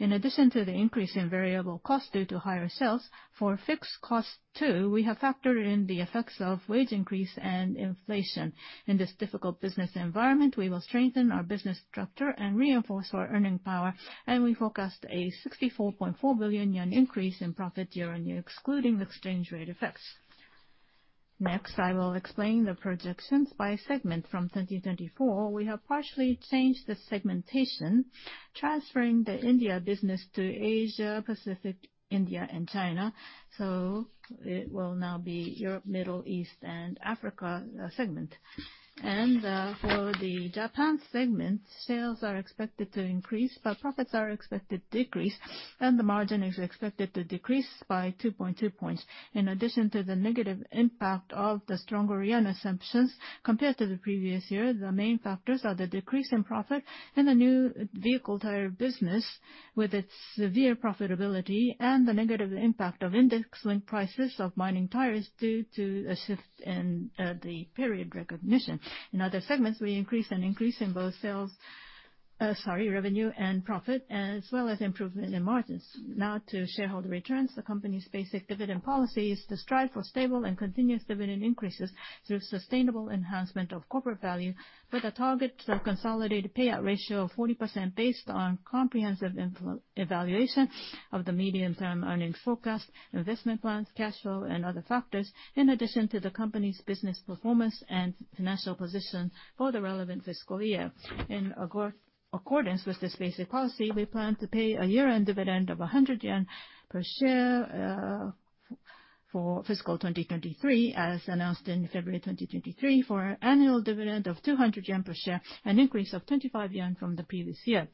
in addition to the increase in variable costs due to higher sales, for fixed costs too, we have factored in the effects of wage increase and inflation. In this difficult business environment, we will strengthen our business structure and reinforce our earning power, and we forecast a 64.4 billion yen increase in profit year-on-year, excluding exchange rate effects. Next, I will explain the projections by segment from 2024. We have partially changed the segmentation, transferring the India business to Asia, Pacific, India, and China. It will now be Europe, Middle East, and Africa segment. For the Japan segment, sales are expected to increase, but profits are expected to decrease, and the margin is expected to decrease by 2.2 points. In addition to the negative impact of the stronger yen assumptions compared to the previous year, the main factors are the decrease in profit in the new vehicle tire business, with its severe profitability, and the negative impact of index-linked prices of mining tires due to a shift in the period recognition. In other segments, we increase in both revenue and profit, as well as improvement in margins. To shareholder returns. The company's basic dividend policy is to strive for stable and continuous dividend increases through sustainable enhancement of corporate value with a target of consolidated payout ratio of 40% based on comprehensive evaluation of the medium-term earnings forecast, investment plans, cash flow, and other factors, in addition to the company's business performance and financial position for the relevant fiscal year. In accordance with this basic policy, we plan to pay a year-end dividend of 100 yen per share for fiscal 2023, as announced in February 2023, for annual dividend of 200 yen per share, an increase of 25 yen from the previous year.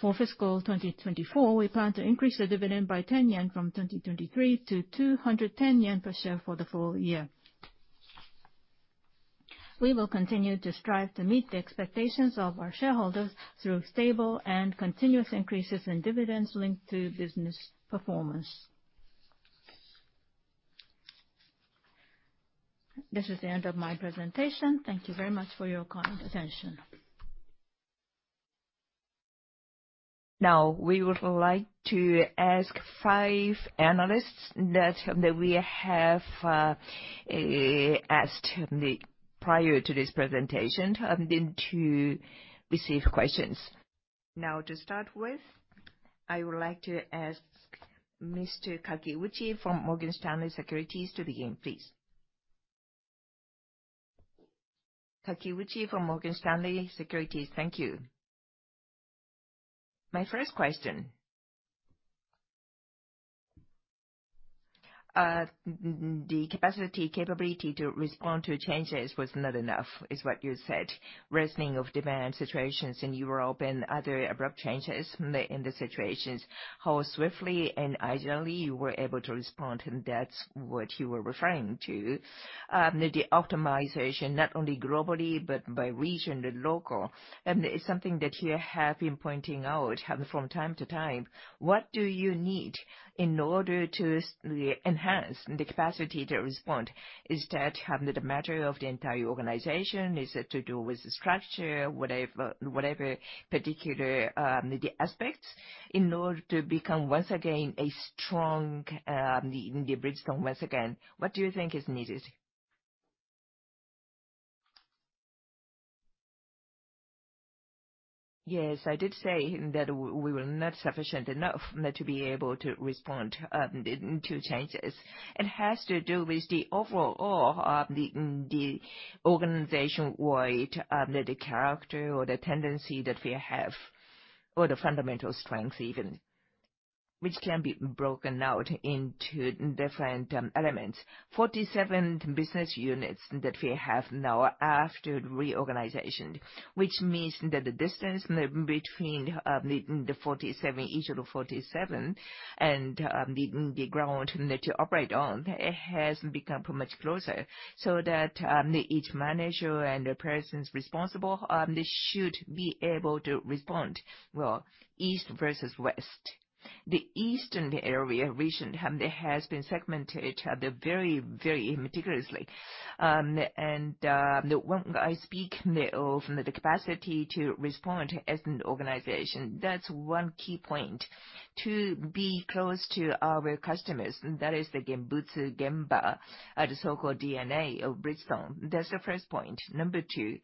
For fiscal 2024, we plan to increase the dividend by 10 yen from 2023 to 210 yen per share for the full year. We will continue to strive to meet the expectations of our shareholders through stable and continuous increases in dividends linked to business performance. This is the end of my presentation. Thank you very much for your kind attention. We would like to ask 5 analysts that we have asked prior to this presentation to receive questions. To start with, I would like to ask Mr. Kakiuchi from Morgan Stanley Securities to begin, please Kakiuchi from Morgan Stanley Securities. Thank you. My first question. The capacity to respond to changes was not enough, is what you said. Rising of demand situations in Europe and other abrupt changes in the situations, how swiftly and ideally you were able to respond, and that's what you were referring to. The optimization, not only globally, but by region and local, and it's something that you have been pointing out from time to time. What do you need in order to enhance the capacity to respond? Is that the matter of the entire organization? Is it to do with the structure? Whatever particular aspects in order to become, once again, a strong Bridgestone once again. What do you think is needed? Yes, I did say that we were not sufficient enough not to be able to respond to changes. It has to do with the overall of the organization-wide, the character or the tendency that we have, or the fundamental strength even, which can be broken out into different elements. 47 business units that we have now after reorganization, which means that the distance between each of the 47 and the ground to operate on, it has become much closer, so that each manager and the persons responsible should be able to respond well. East versus West. The Eastern area region has been segmented very, very meticulously. When I speak of the capacity to respond as an organization, that's one key point, to be close to our customers, that is the Genbutsu Genba, so-called DNA of Bridgestone. That's the first point. Number 2,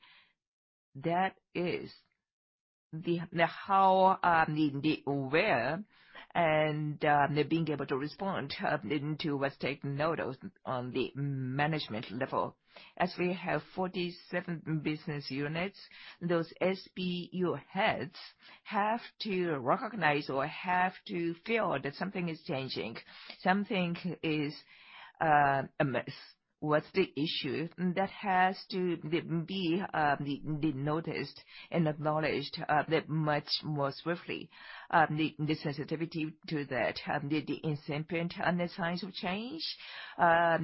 that is how needing the aware and being able to respond into what's taken note of on the management level. As we have 47 business units, those SBU heads have to recognize or have to feel that something is changing, something is amiss. What's the issue? That has to be noticed and acknowledged much more swiftly. The sensitivity to that, the incipient signs of change,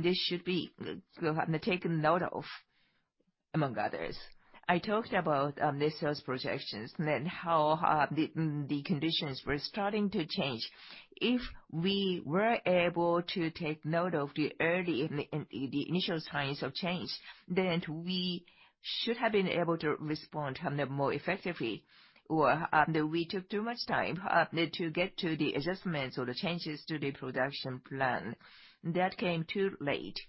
this should be taken note of, among others. I talked about the sales projections, how the conditions were starting to change. If we were able to take note of the early, the initial signs of change, we should have been able to respond more effectively. We took too much time to get to the adjustments or the changes to the production plan. That came too late.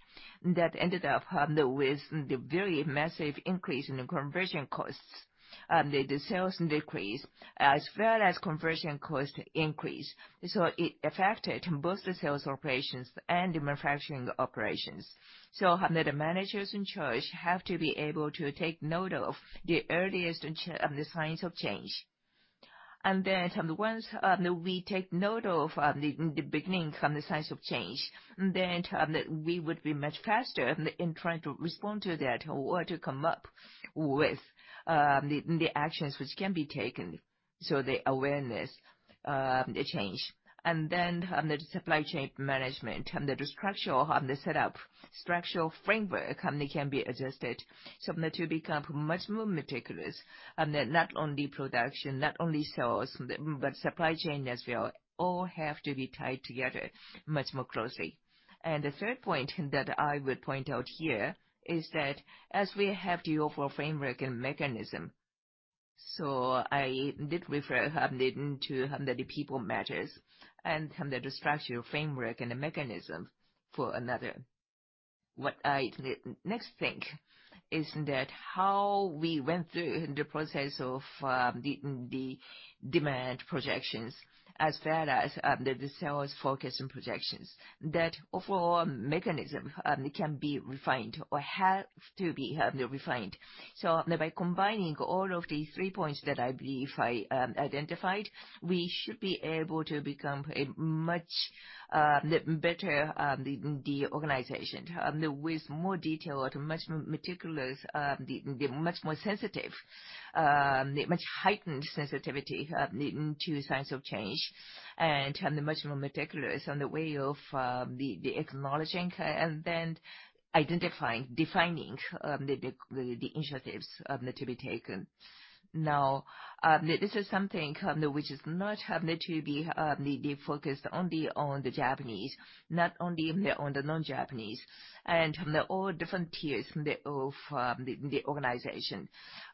That ended up with the very massive increase in conversion costs. The sales decrease, as well as conversion cost increase. It affected both the sales operations and the manufacturing operations. The managers in charge have to be able to take note of the earliest signs of change. Once we take note of the beginning signs of change, we would be much faster in trying to respond to that or to come up with the actions which can be taken. The awareness, the change. The supply chain management and the structural setup, structural framework can be adjusted so that you become much more meticulous. Not only production, not only sales, but supply chain as well, all have to be tied together much more closely. The third point that I would point out here is that as we have the overall framework and mechanism, I did refer to the people matters and the structural framework and the mechanism for another. What I next think is that how we went through the process of the demand projections, as well as the sales forecast and projections. That overall mechanism can be refined or have to be refined. By combining all of these three points that I believe I identified, we should be able to become a much better organization with more detail or much meticulous, much more sensitive, much heightened sensitivity to signs of change, and much more meticulous on the way of the acknowledging and then identifying, defining the initiatives that are to be taken. This is something which is not having to be focused only on the Japanese, not only on the non-Japanese, and all different tiers of the organization.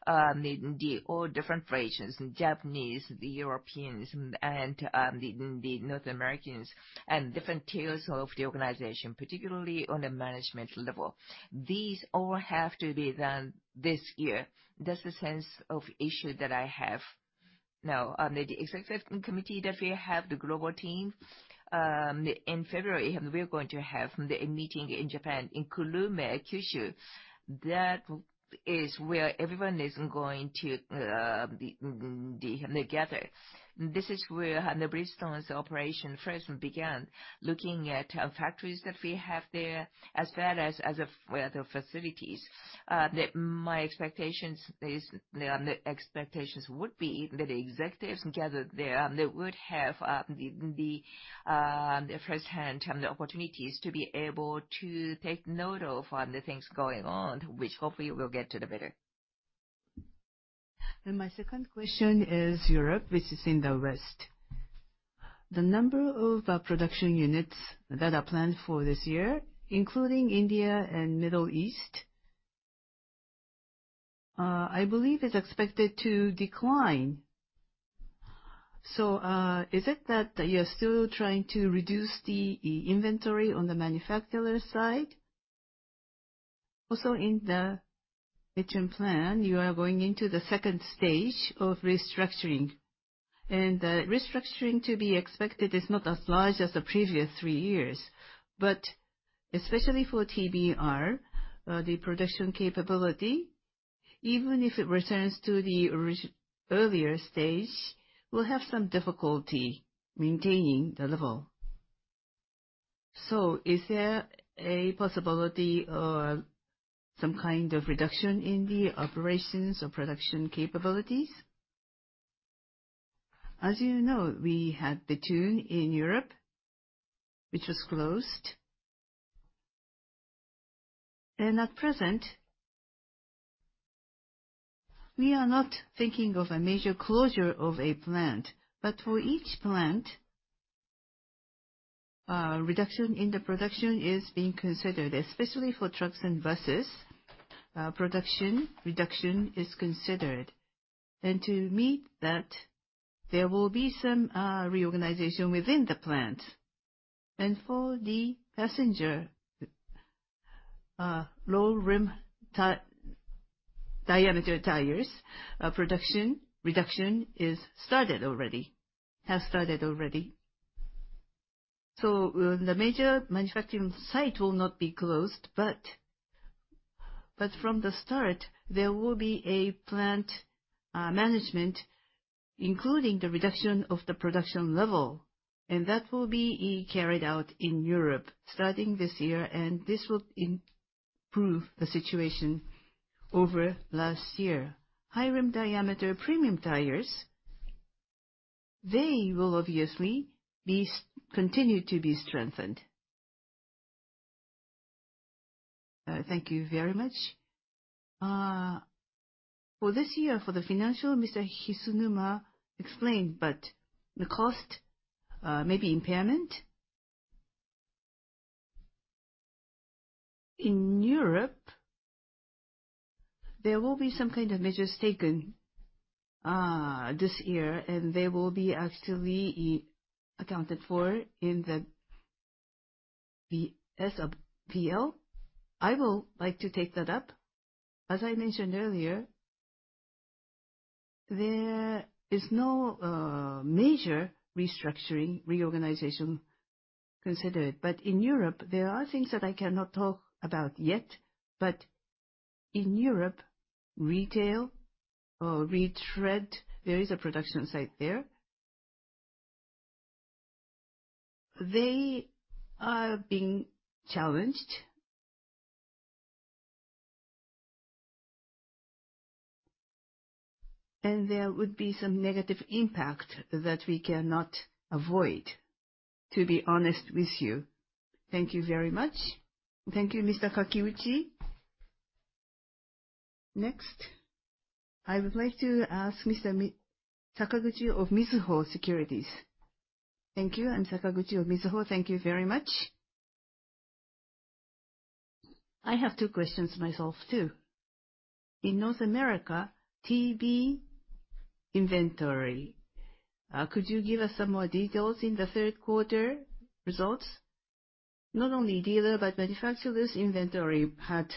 All different regions, Japanese, the Europeans, and the North Americans, and different tiers of the organization, particularly on the management level. These all have to be done this year. That's the sense of issue that I have. The executive committee that we have, the global team, in February, we are going to have the meeting in Japan, in Kurume, Kyushu. That is where everyone is going to gather. This is where Bridgestone's operation first began, looking at factories that we have there, as well as the facilities. My expectations would be that the executives gathered there, they would have the firsthand opportunities to be able to take note of all the things going on, which hopefully will get to the better. My second question is Europe, which is in the West. The number of production units that are planned for this year, including India and Middle East, I believe is expected to decline. Is it that you are still trying to reduce the inventory on the manufacturer side? Also, in the Mid-Term Plan, you are going into the stage 2 of restructuring. The restructuring to be expected is not as large as the previous 3 years. But especially for TBR, the production capability, even if it returns to the earlier stage, we'll have some difficulty maintaining the level. Is there a possibility or some kind of reduction in the operations or production capabilities? As you know, we had Béthune in Europe, which was closed. At present, we are not thinking of a major closure of a plant. For each plant, a reduction in the production is being considered, especially for trucks and buses. Production reduction is considered. To meet that, there will be some reorganization within the plant. For the passenger low rim diameter tires, production reduction has started already. The major manufacturing site will not be closed, but from the start, there will be a plant management, including the reduction of the production level. That will be carried out in Europe starting this year, and this will improve the situation over last year. High rim diameter premium tires, they will obviously continue to be strengthened. Thank you very much. For this year, for the financial, Mr. Hishinuma explained, the cost, maybe impairment? In Europe, there will be some kind of measures taken this year, they will be actually accounted for in the P&L. I will like to take that up. As I mentioned earlier, there is no major restructuring reorganization considered. In Europe, there are things that I cannot talk about yet. In Europe, retail or retread, there is a production site there. They are being challenged. There would be some negative impact that we cannot avoid, to be honest with you. Thank you very much. Thank you, Mr. Kakiuchi. Next, I would like to ask Mr. Sakaguchi of Mizuho Securities. Thank you. I'm Sakaguchi of Mizuho. Thank you very much. I have two questions myself, too. In North America, TB inventory. Could you give us some more details in the third quarter results? Not only dealer, manufacturer's inventory had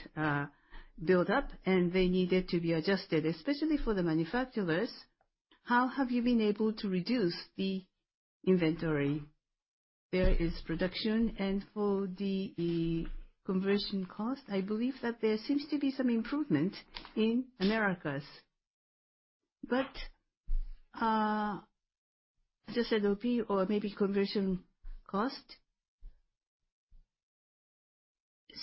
built up, they needed to be adjusted. Especially for the manufacturers, how have you been able to reduce the inventory? There is production and for the conversion cost, I believe that there seems to be some improvement in Americas. SSOP or maybe conversion cost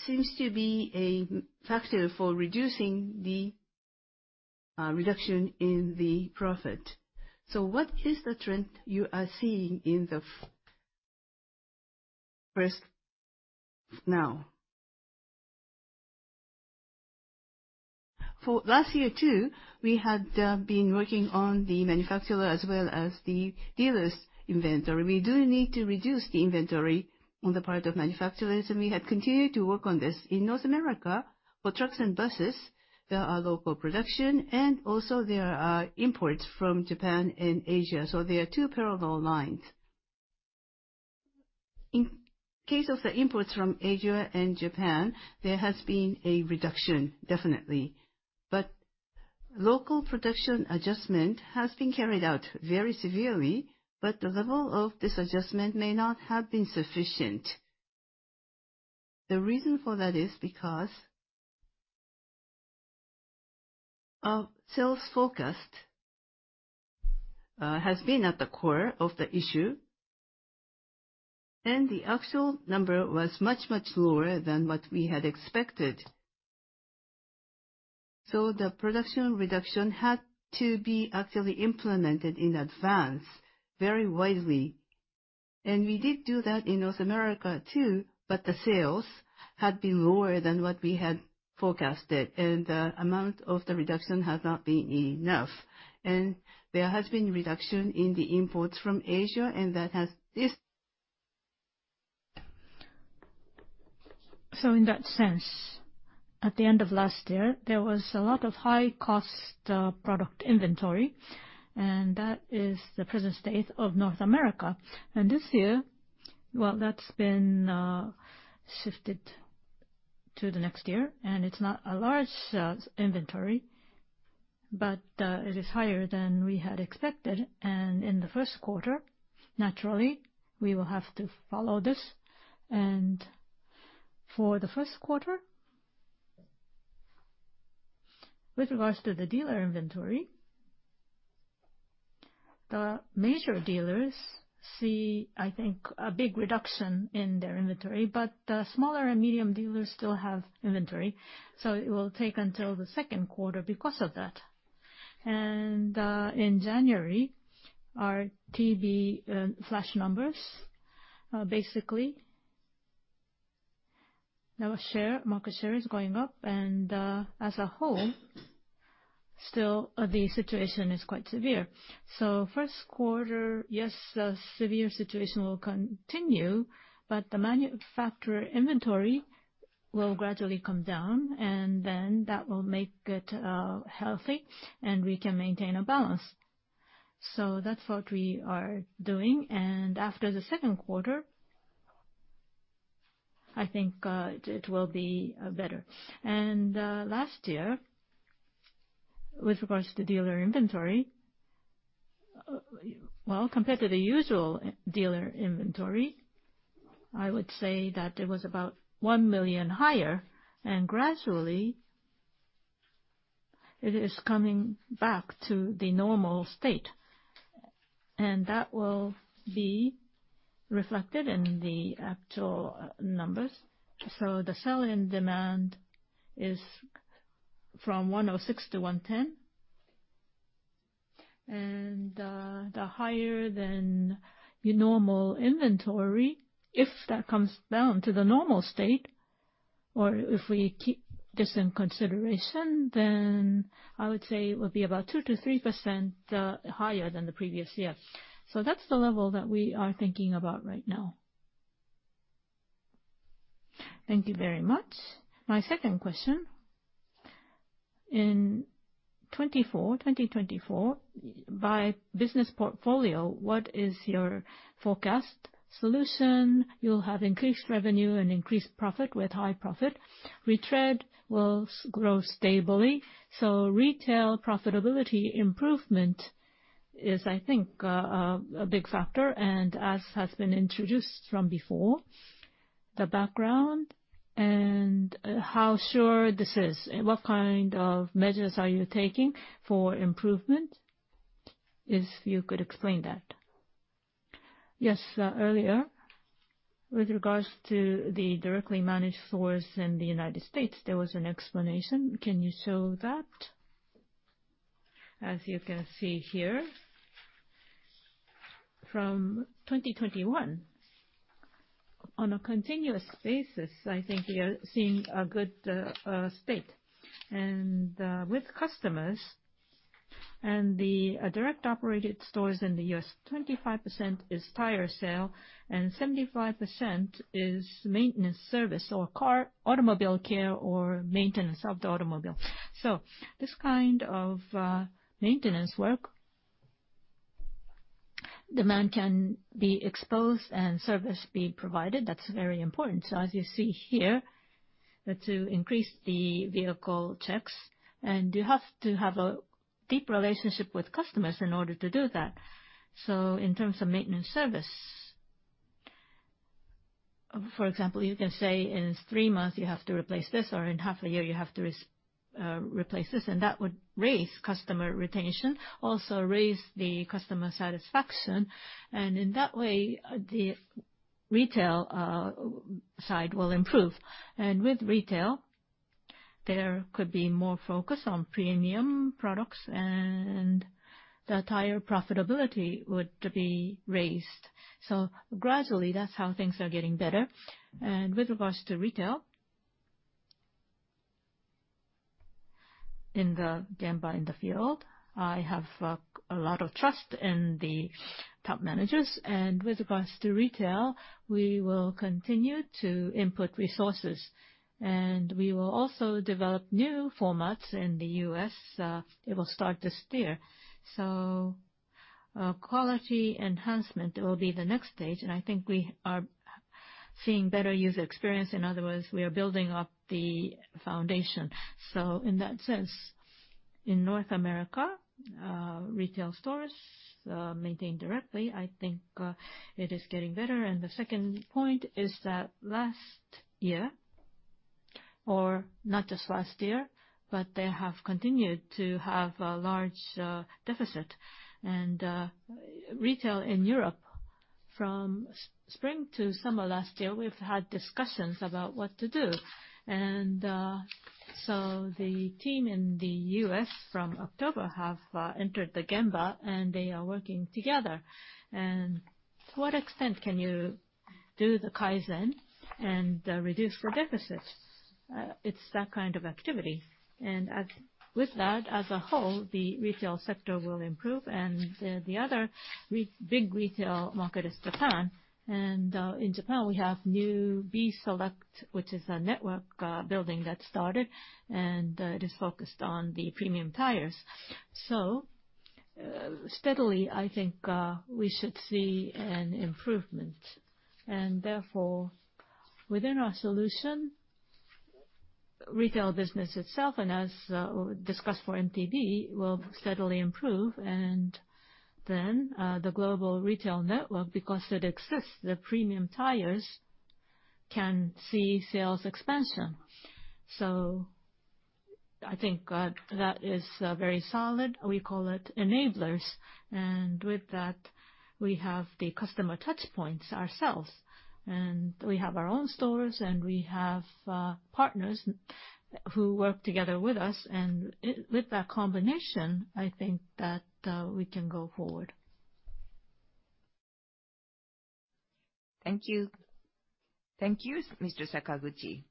seems to be a factor for reducing the reduction in the profit. What is the trend you are seeing in the first now? For last year, too, we had been working on the manufacturer as well as the dealer's inventory. We do need to reduce the inventory on the part of manufacturers, we had continued to work on this. In North America, for trucks and buses, there are local production and also there are imports from Japan and Asia. There are two parallel lines. In case of the imports from Asia and Japan, there has been a reduction, definitely. Local production adjustment has been carried out very severely, but the level of this adjustment may not have been sufficient. The reason for that is because our sales forecast has been at the core of the issue, and the actual number was much, much lower than what we had expected. The production reduction had to be actively implemented in advance, very widely. We did do that in North America too, but the sales had been lower than what we had forecasted, and the amount of the reduction has not been enough. There has been reduction in the imports from Asia. In that sense, at the end of last year, there was a lot of high-cost product inventory, and that is the present state of North America. This year, well, that's been shifted to the next year, and it's not a large inventory, but it is higher than we had expected. In the first quarter, naturally, we will have to follow this. For the first quarter, with regards to the dealer inventory, the major dealers see, I think, a big reduction in their inventory. The smaller and medium dealers still have inventory. It will take until the second quarter because of that. In January, our TB flash numbers, basically, our market share is going up, and as a whole, still the situation is quite severe. First quarter, yes, the severe situation will continue, but the manufacturer inventory will gradually come down, and then that will make it healthy, and we can maintain a balance. That's what we are doing. After the second quarter, I think it will be better. Last year, with regards to dealer inventory, well, compared to the usual dealer inventory, I would say that it was about 1 million higher, and gradually, it is coming back to the normal state, and that will be reflected in the actual numbers. The selling demand is from 106 to 110. The higher than your normal inventory, if that comes down to the normal state, or if we keep this in consideration, then I would say it would be about 2%-3% higher than the previous year. That's the level that we are thinking about right now. Thank you very much. My second question. In 2024, by business portfolio, what is your forecast solution? You'll have increased revenue and increased profit with high profit. Retread will grow stably. Retail profitability improvement is, I think, a big factor, and as has been introduced from before, the background and how sure this is, what kind of measures are you taking for improvement? If you could explain that. Yes. Earlier, with regards to the directly managed stores in the U.S., there was an explanation. Can you show that? As you can see here, from 2021, on a continuous basis, I think we are seeing a good state. With customers and the direct operated stores in the U.S., 25% is tire sale, and 75% is maintenance service or car automobile care or maintenance of the automobile. This kind of maintenance work, demand can be exposed and service be provided. That's very important. As you see here, to increase the vehicle checks, and you have to have a deep relationship with customers in order to do that. In terms of maintenance service, for example, you can say in three months you have to replace this, or in half a year you have to replace this, that would raise customer retention, also raise the customer satisfaction. In that way, the retail side will improve. With retail, there could be more focus on premium products, the entire profitability would be raised. Gradually, that's how things are getting better. With regards to retail, in the Gemba in the field, I have a lot of trust in the top managers. With regards to retail, we will continue to input resources. We will also develop new formats in the U.S. It will start this year. Quality enhancement will be the next stage, and I think we are seeing better user experience. In other words, we are building up the foundation. In that sense, in North America, retail stores are maintained directly. I think it is getting better. The second point is that last year, or not just last year, but they have continued to have a large deficit. Retail in Europe, from spring to summer last year, we've had discussions about what to do. The team in the U.S. from October have entered the Gemba and they are working together. To what extent can you do the Kaizen and reduce the deficits? It's that kind of activity. With that, as a whole, the retail sector will improve. The other big retail market is Japan. In Japan we have new B-Select, which is a network building that started, and it is focused on the premium tires. Steadily, I think we should see an improvement. Therefore, within our solution, retail business itself, as discussed for MTP, will steadily improve. The global retail network, because it exists, the premium tires can see sales expansion. I think that is very solid. We call it enablers. With that, we have the customer touchpoints ourselves. We have our own stores, and we have partners who work together with us. With that combination, I think that we can go forward. Thank you. Thank you, Mr. Sakaguchi.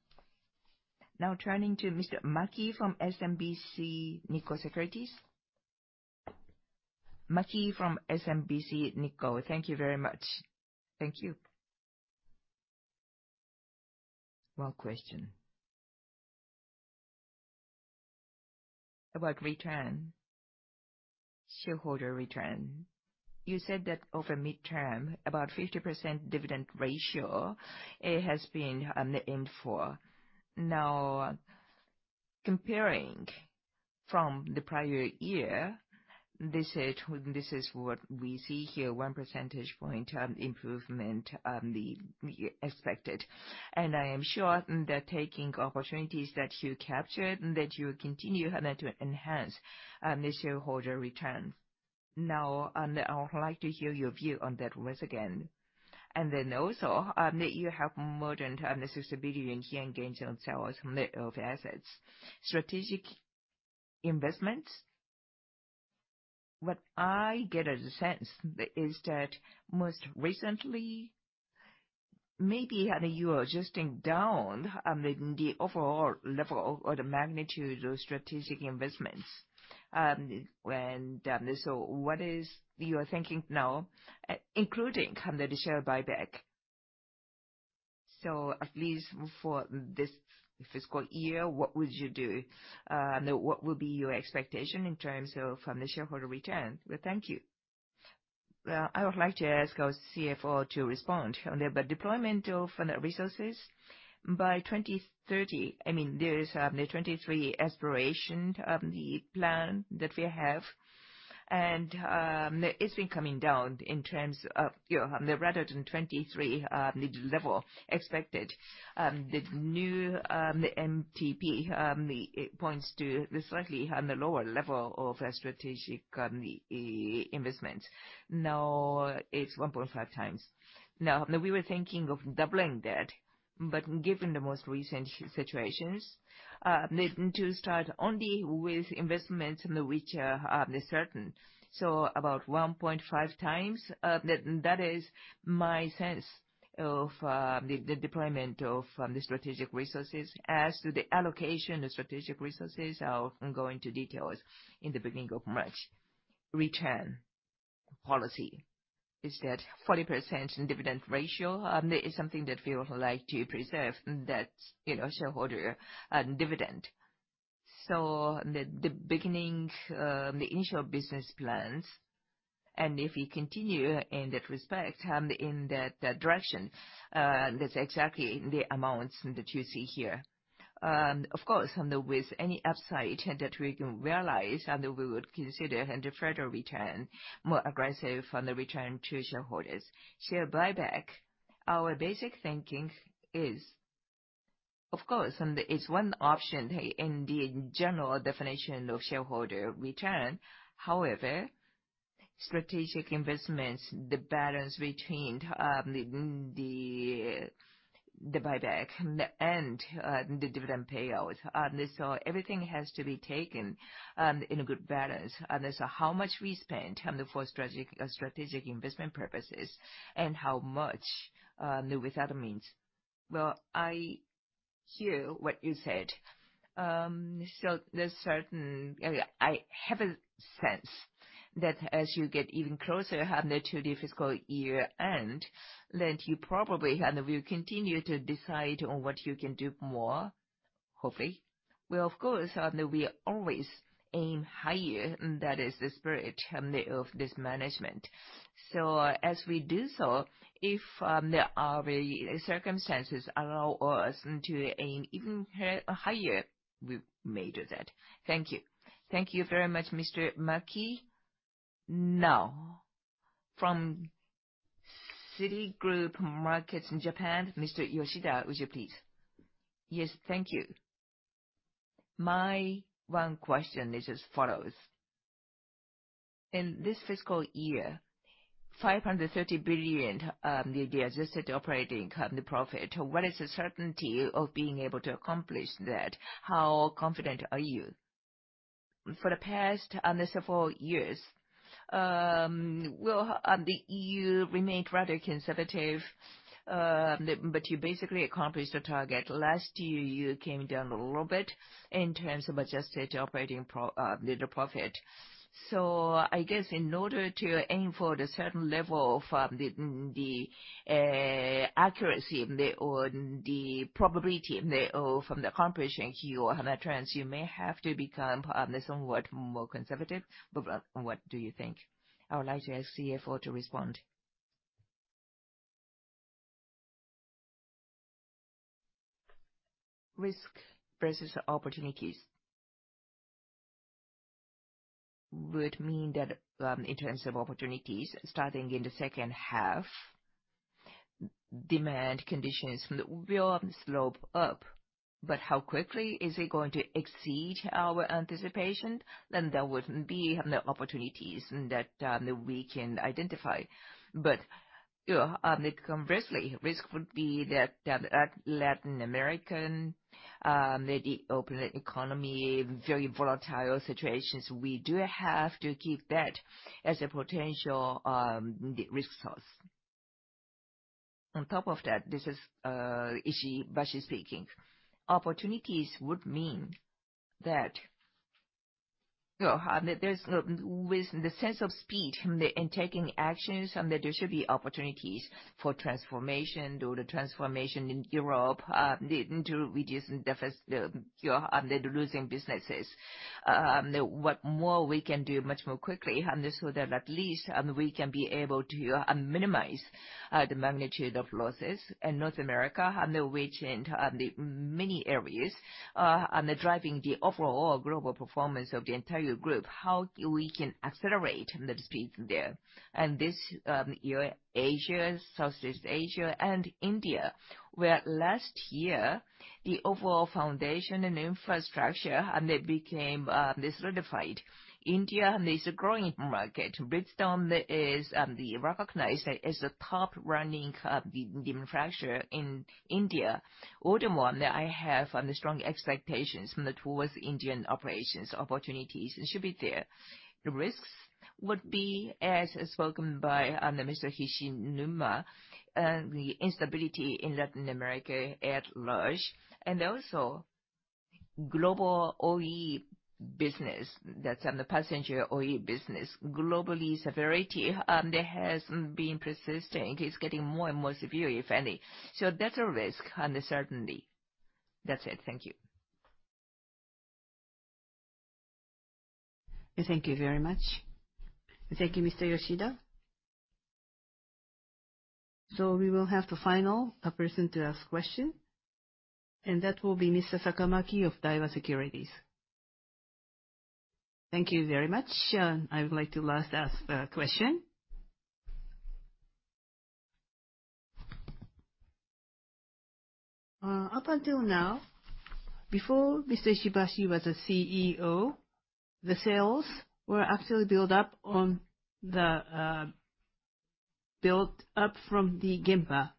Now turning to Mr. Maki from SMBC Nikko Securities. Maki from SMBC Nikko, thank you very much. Thank you. One question. About return, shareholder return. You said that over midterm, about 50% dividend ratio, it has been aimed for. Comparing from the prior year, this is what we see here, one percentage point improvement expected. I am sure that taking opportunities that you captured, that you continue to enhance the shareholder returns. I would like to hear your view on that once again. Also, that you have more than 60 billion yen gains on sales of assets. Strategic investments, what I get as a sense is that most recently, maybe you are adjusting down the overall level or the magnitude of strategic investments. What is your thinking now, including the share buyback? At least for this fiscal year, what would you do? What will be your expectation in terms of shareholder return? Thank you. Well, I would like to ask our CFO to respond. Deployment of resources by 2030, there is the '23 Aspiration of the plan that we have. It's been coming down in terms of, rather than '23, the level expected. The new MTP, it points to slightly on the lower level of strategic investment. It's 1.5 times. We were thinking of doubling that, but given the most recent situations, needing to start only with investments in which are certain. About 1.5 times, that is my sense of the deployment of the strategic resources. As to the allocation of strategic resources, I'll go into details in the beginning of March. Return policy is that 40% in dividend ratio, it's something that we would like to preserve, that shareholder dividend. The initial business plans, if we continue in that respect, in that direction, that's exactly the amounts that you see here. Of course, with any upside that we can realize, we would consider a further return, more aggressive on the return to shareholders. Share buyback, our basic thinking is, of course, it's one option in the general definition of shareholder return. However, strategic investments, the balance between the buyback and the dividend payout. Everything has to be taken in a good balance. How much we spend for strategic investment purposes and how much with other means. Well, I hear what you said. There's certain area I have a sense that as you get even closer to the fiscal year-end, that you probably will continue to decide on what you can do more hopefully. Well, of course, we always aim higher. That is the spirit of this management. As we do so, if there are circumstances allow us to aim even higher, we may do that. Thank you. Thank you very much, Mr. Maki. From Citigroup Global Markets Japan, Mr. Yoshida, would you please? Yes. Thank you. My one question is as follows. In this fiscal year, 530 billion, the adjusted operating company profit, what is the certainty of being able to accomplish that? How confident are you? For the past several years, you remained rather conservative, but you basically accomplished the target. I guess in order to aim for the certain level of the accuracy or the probability from the accomplishment you have had, you may have to become somewhat more conservative. What do you think? I would like your CFO to respond. Risk versus opportunities would mean that in terms of opportunities, starting in the second half, demand conditions will slope up. How quickly is it going to exceed our anticipation, then there would be no opportunities that we can identify. Conversely, risk would be that Latin American, the open economy, very volatile situations. We do have to keep that as a potential risk source. On top of that, this is Shuichi Ishibashi speaking. Opportunities would mean that with the sense of speed in taking actions, there should be opportunities for transformation or the transformation in Europe to reduce the losing businesses. What more we can do much more quickly so that at least we can be able to minimize the magnitude of losses in North America, and reach into the many areas, and driving the overall global performance of the entire group, how we can accelerate the speed there. This year, Asia, Southeast Asia and India, where last year the overall foundation and infrastructure became solidified. India is a growing market. Bridgestone is recognized as a top-running manufacturer in India. Other one that I have strong expectations towards Indian operations opportunities should be there. The risks would be, as spoken by Mr. Hishinuma, the instability in Latin America at large and also global OE business, that's the passenger OE business. Globally, severity there has been persisting. It's getting more and more severe, if any. That's a risk, uncertainty. That's it. Thank you. Thank you very much. Thank you, Mr. Yoshida. We will have the final person to ask question, and that will be Ms. Sakamaki of Daiwa Securities. Thank you very much. I would like to last ask a question. Up until now, before Mr. Ishibashi was a CEO, the sales were actually built up from the Gemba.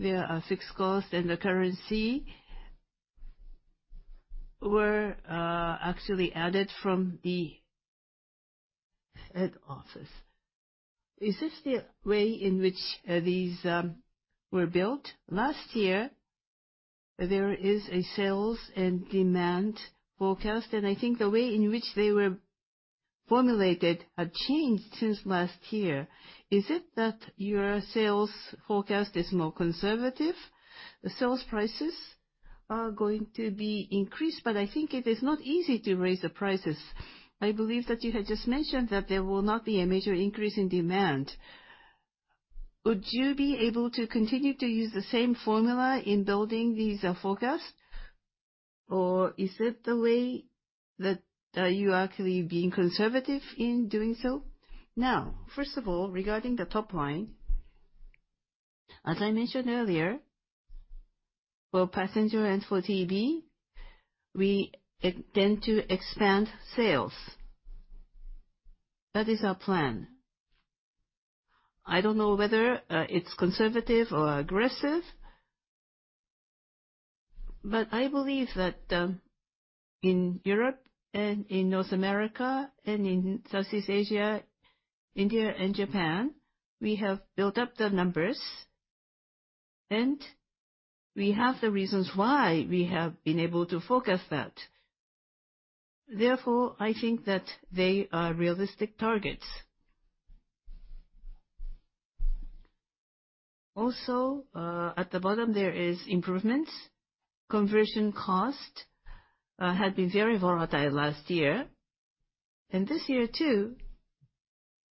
There are fixed costs and the currency were actually added from the head office. Is this the way in which these were built? Last year, there is a sales and demand forecast, and I think the way in which they were formulated had changed since last year. Is it that your sales forecast is more conservative? The sales prices are going to be increased, but I think it is not easy to raise the prices. I believe that you had just mentioned that there will not be a major increase in demand. Would you be able to continue to use the same formula in building these forecasts, or is that the way that you are actually being conservative in doing so? First of all, regarding the top line, as I mentioned earlier, for passenger and for TB, we intend to expand sales. That is our plan. I don't know whether it's conservative or aggressive, but I believe that in Europe and in North America and in Southeast Asia, India and Japan, we have built up the numbers, and we have the reasons why we have been able to forecast that. Therefore, I think that they are realistic targets. At the bottom, there is improvements. Conversion cost had been very volatile last year. This year too,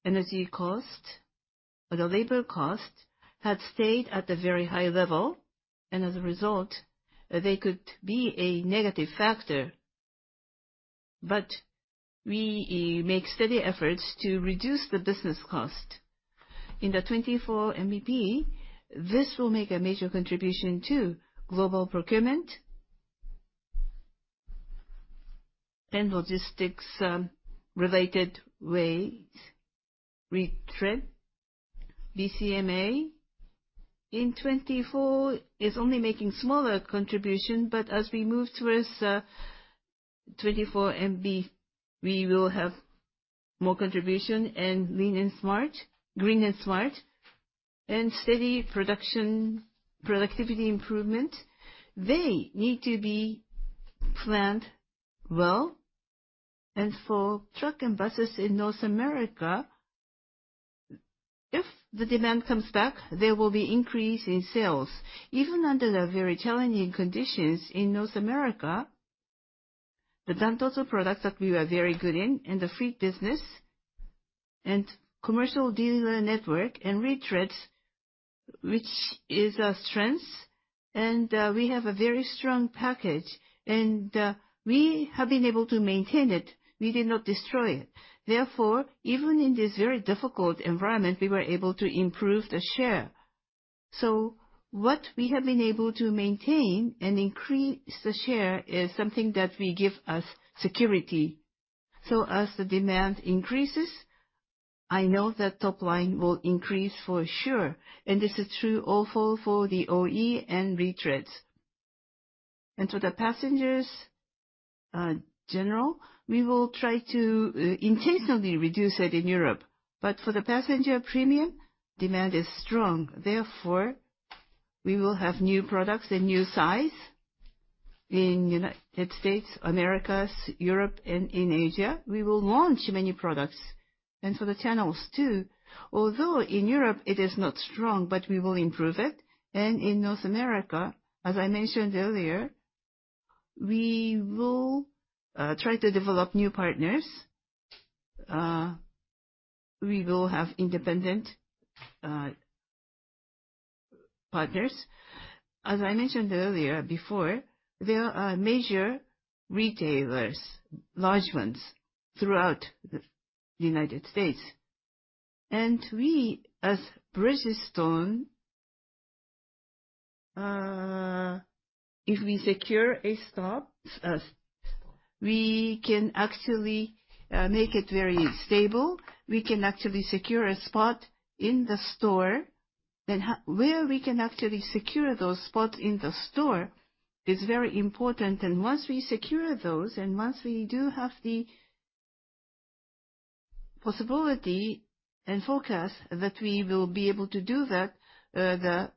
energy cost, or the labor cost, had stayed at a very high level, and as a result, they could be a negative factor. We make steady efforts to reduce the business cost. In the 2024 MBP, this will make a major contribution to global procurement and logistics-related ways. Retread, BCMA, in 2024 is only making smaller contribution, but as we move towards 2024 MBP, we will have more contribution in lean and smart, green and smart, and steady productivity improvement. They need to be planned well. For truck and buses in North America, if the demand comes back, there will be increase in sales. Even under the very challenging conditions in North America, the Dan-Totsu products that we are very good in, and the fleet business, and commercial dealer network, and retreads, which is our strength, and we have a very strong package. We have been able to maintain it. We did not destroy it. Therefore, even in this very difficult environment, we were able to improve the share. What we have been able to maintain and increase the share is something that will give us security. As the demand increases, I know that top line will increase for sure. This is true also for the OE and retreads. The passengers general, we will try to intentionally reduce it in Europe. But for the passenger premium, demand is strong. Therefore, we will have new products and new size in United States, Americas, Europe, and in Asia. We will launch many products. For the channels too, although in Europe it is not strong, we will improve it. In North America, as I mentioned earlier, we will try to develop new partners. We will have independent partners. As I mentioned earlier, there are major retailers, large ones, throughout the U.S. We, as Bridgestone, if we secure a stop, we can actually make it very stable. We can actually secure a spot in the store. Where we can actually secure those spots in the store is very important. Once we secure those, once we do have the possibility and forecast that we will be able to do that, the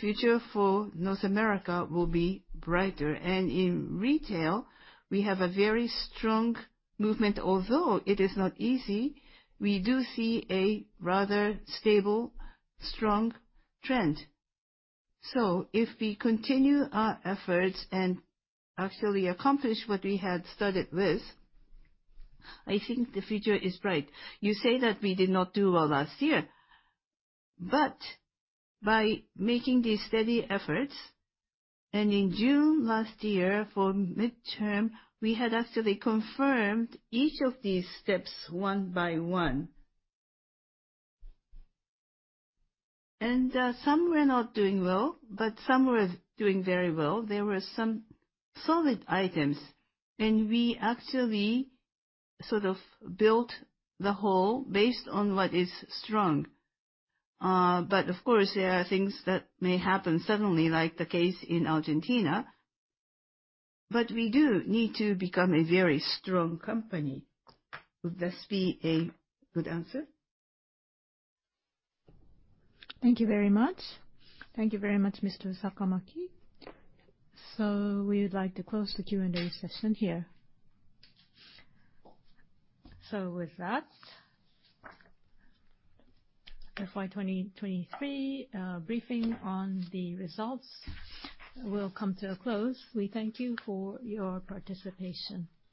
future for North America will be brighter. In retail, we have a very strong movement. Although it is not easy, we do see a rather stable, strong trend. If we continue our efforts and actually accomplish what we had started with, I think the future is bright. You say that we did not do well last year, by making these steady efforts, in June last year for midterm, we had actually confirmed each of these steps one by one. Some were not doing well, some were doing very well. There were some solid items. We actually sort of built the whole based on what is strong. Of course, there are things that may happen suddenly, like the case in Argentina. We do need to become a very strong company. Would this be a good answer? Thank you very much. Thank you very much, Mr. Sakamaki. We would like to close the Q&A session here. With that, FY 2023 briefing on the results will come to a close. We thank you for your participation.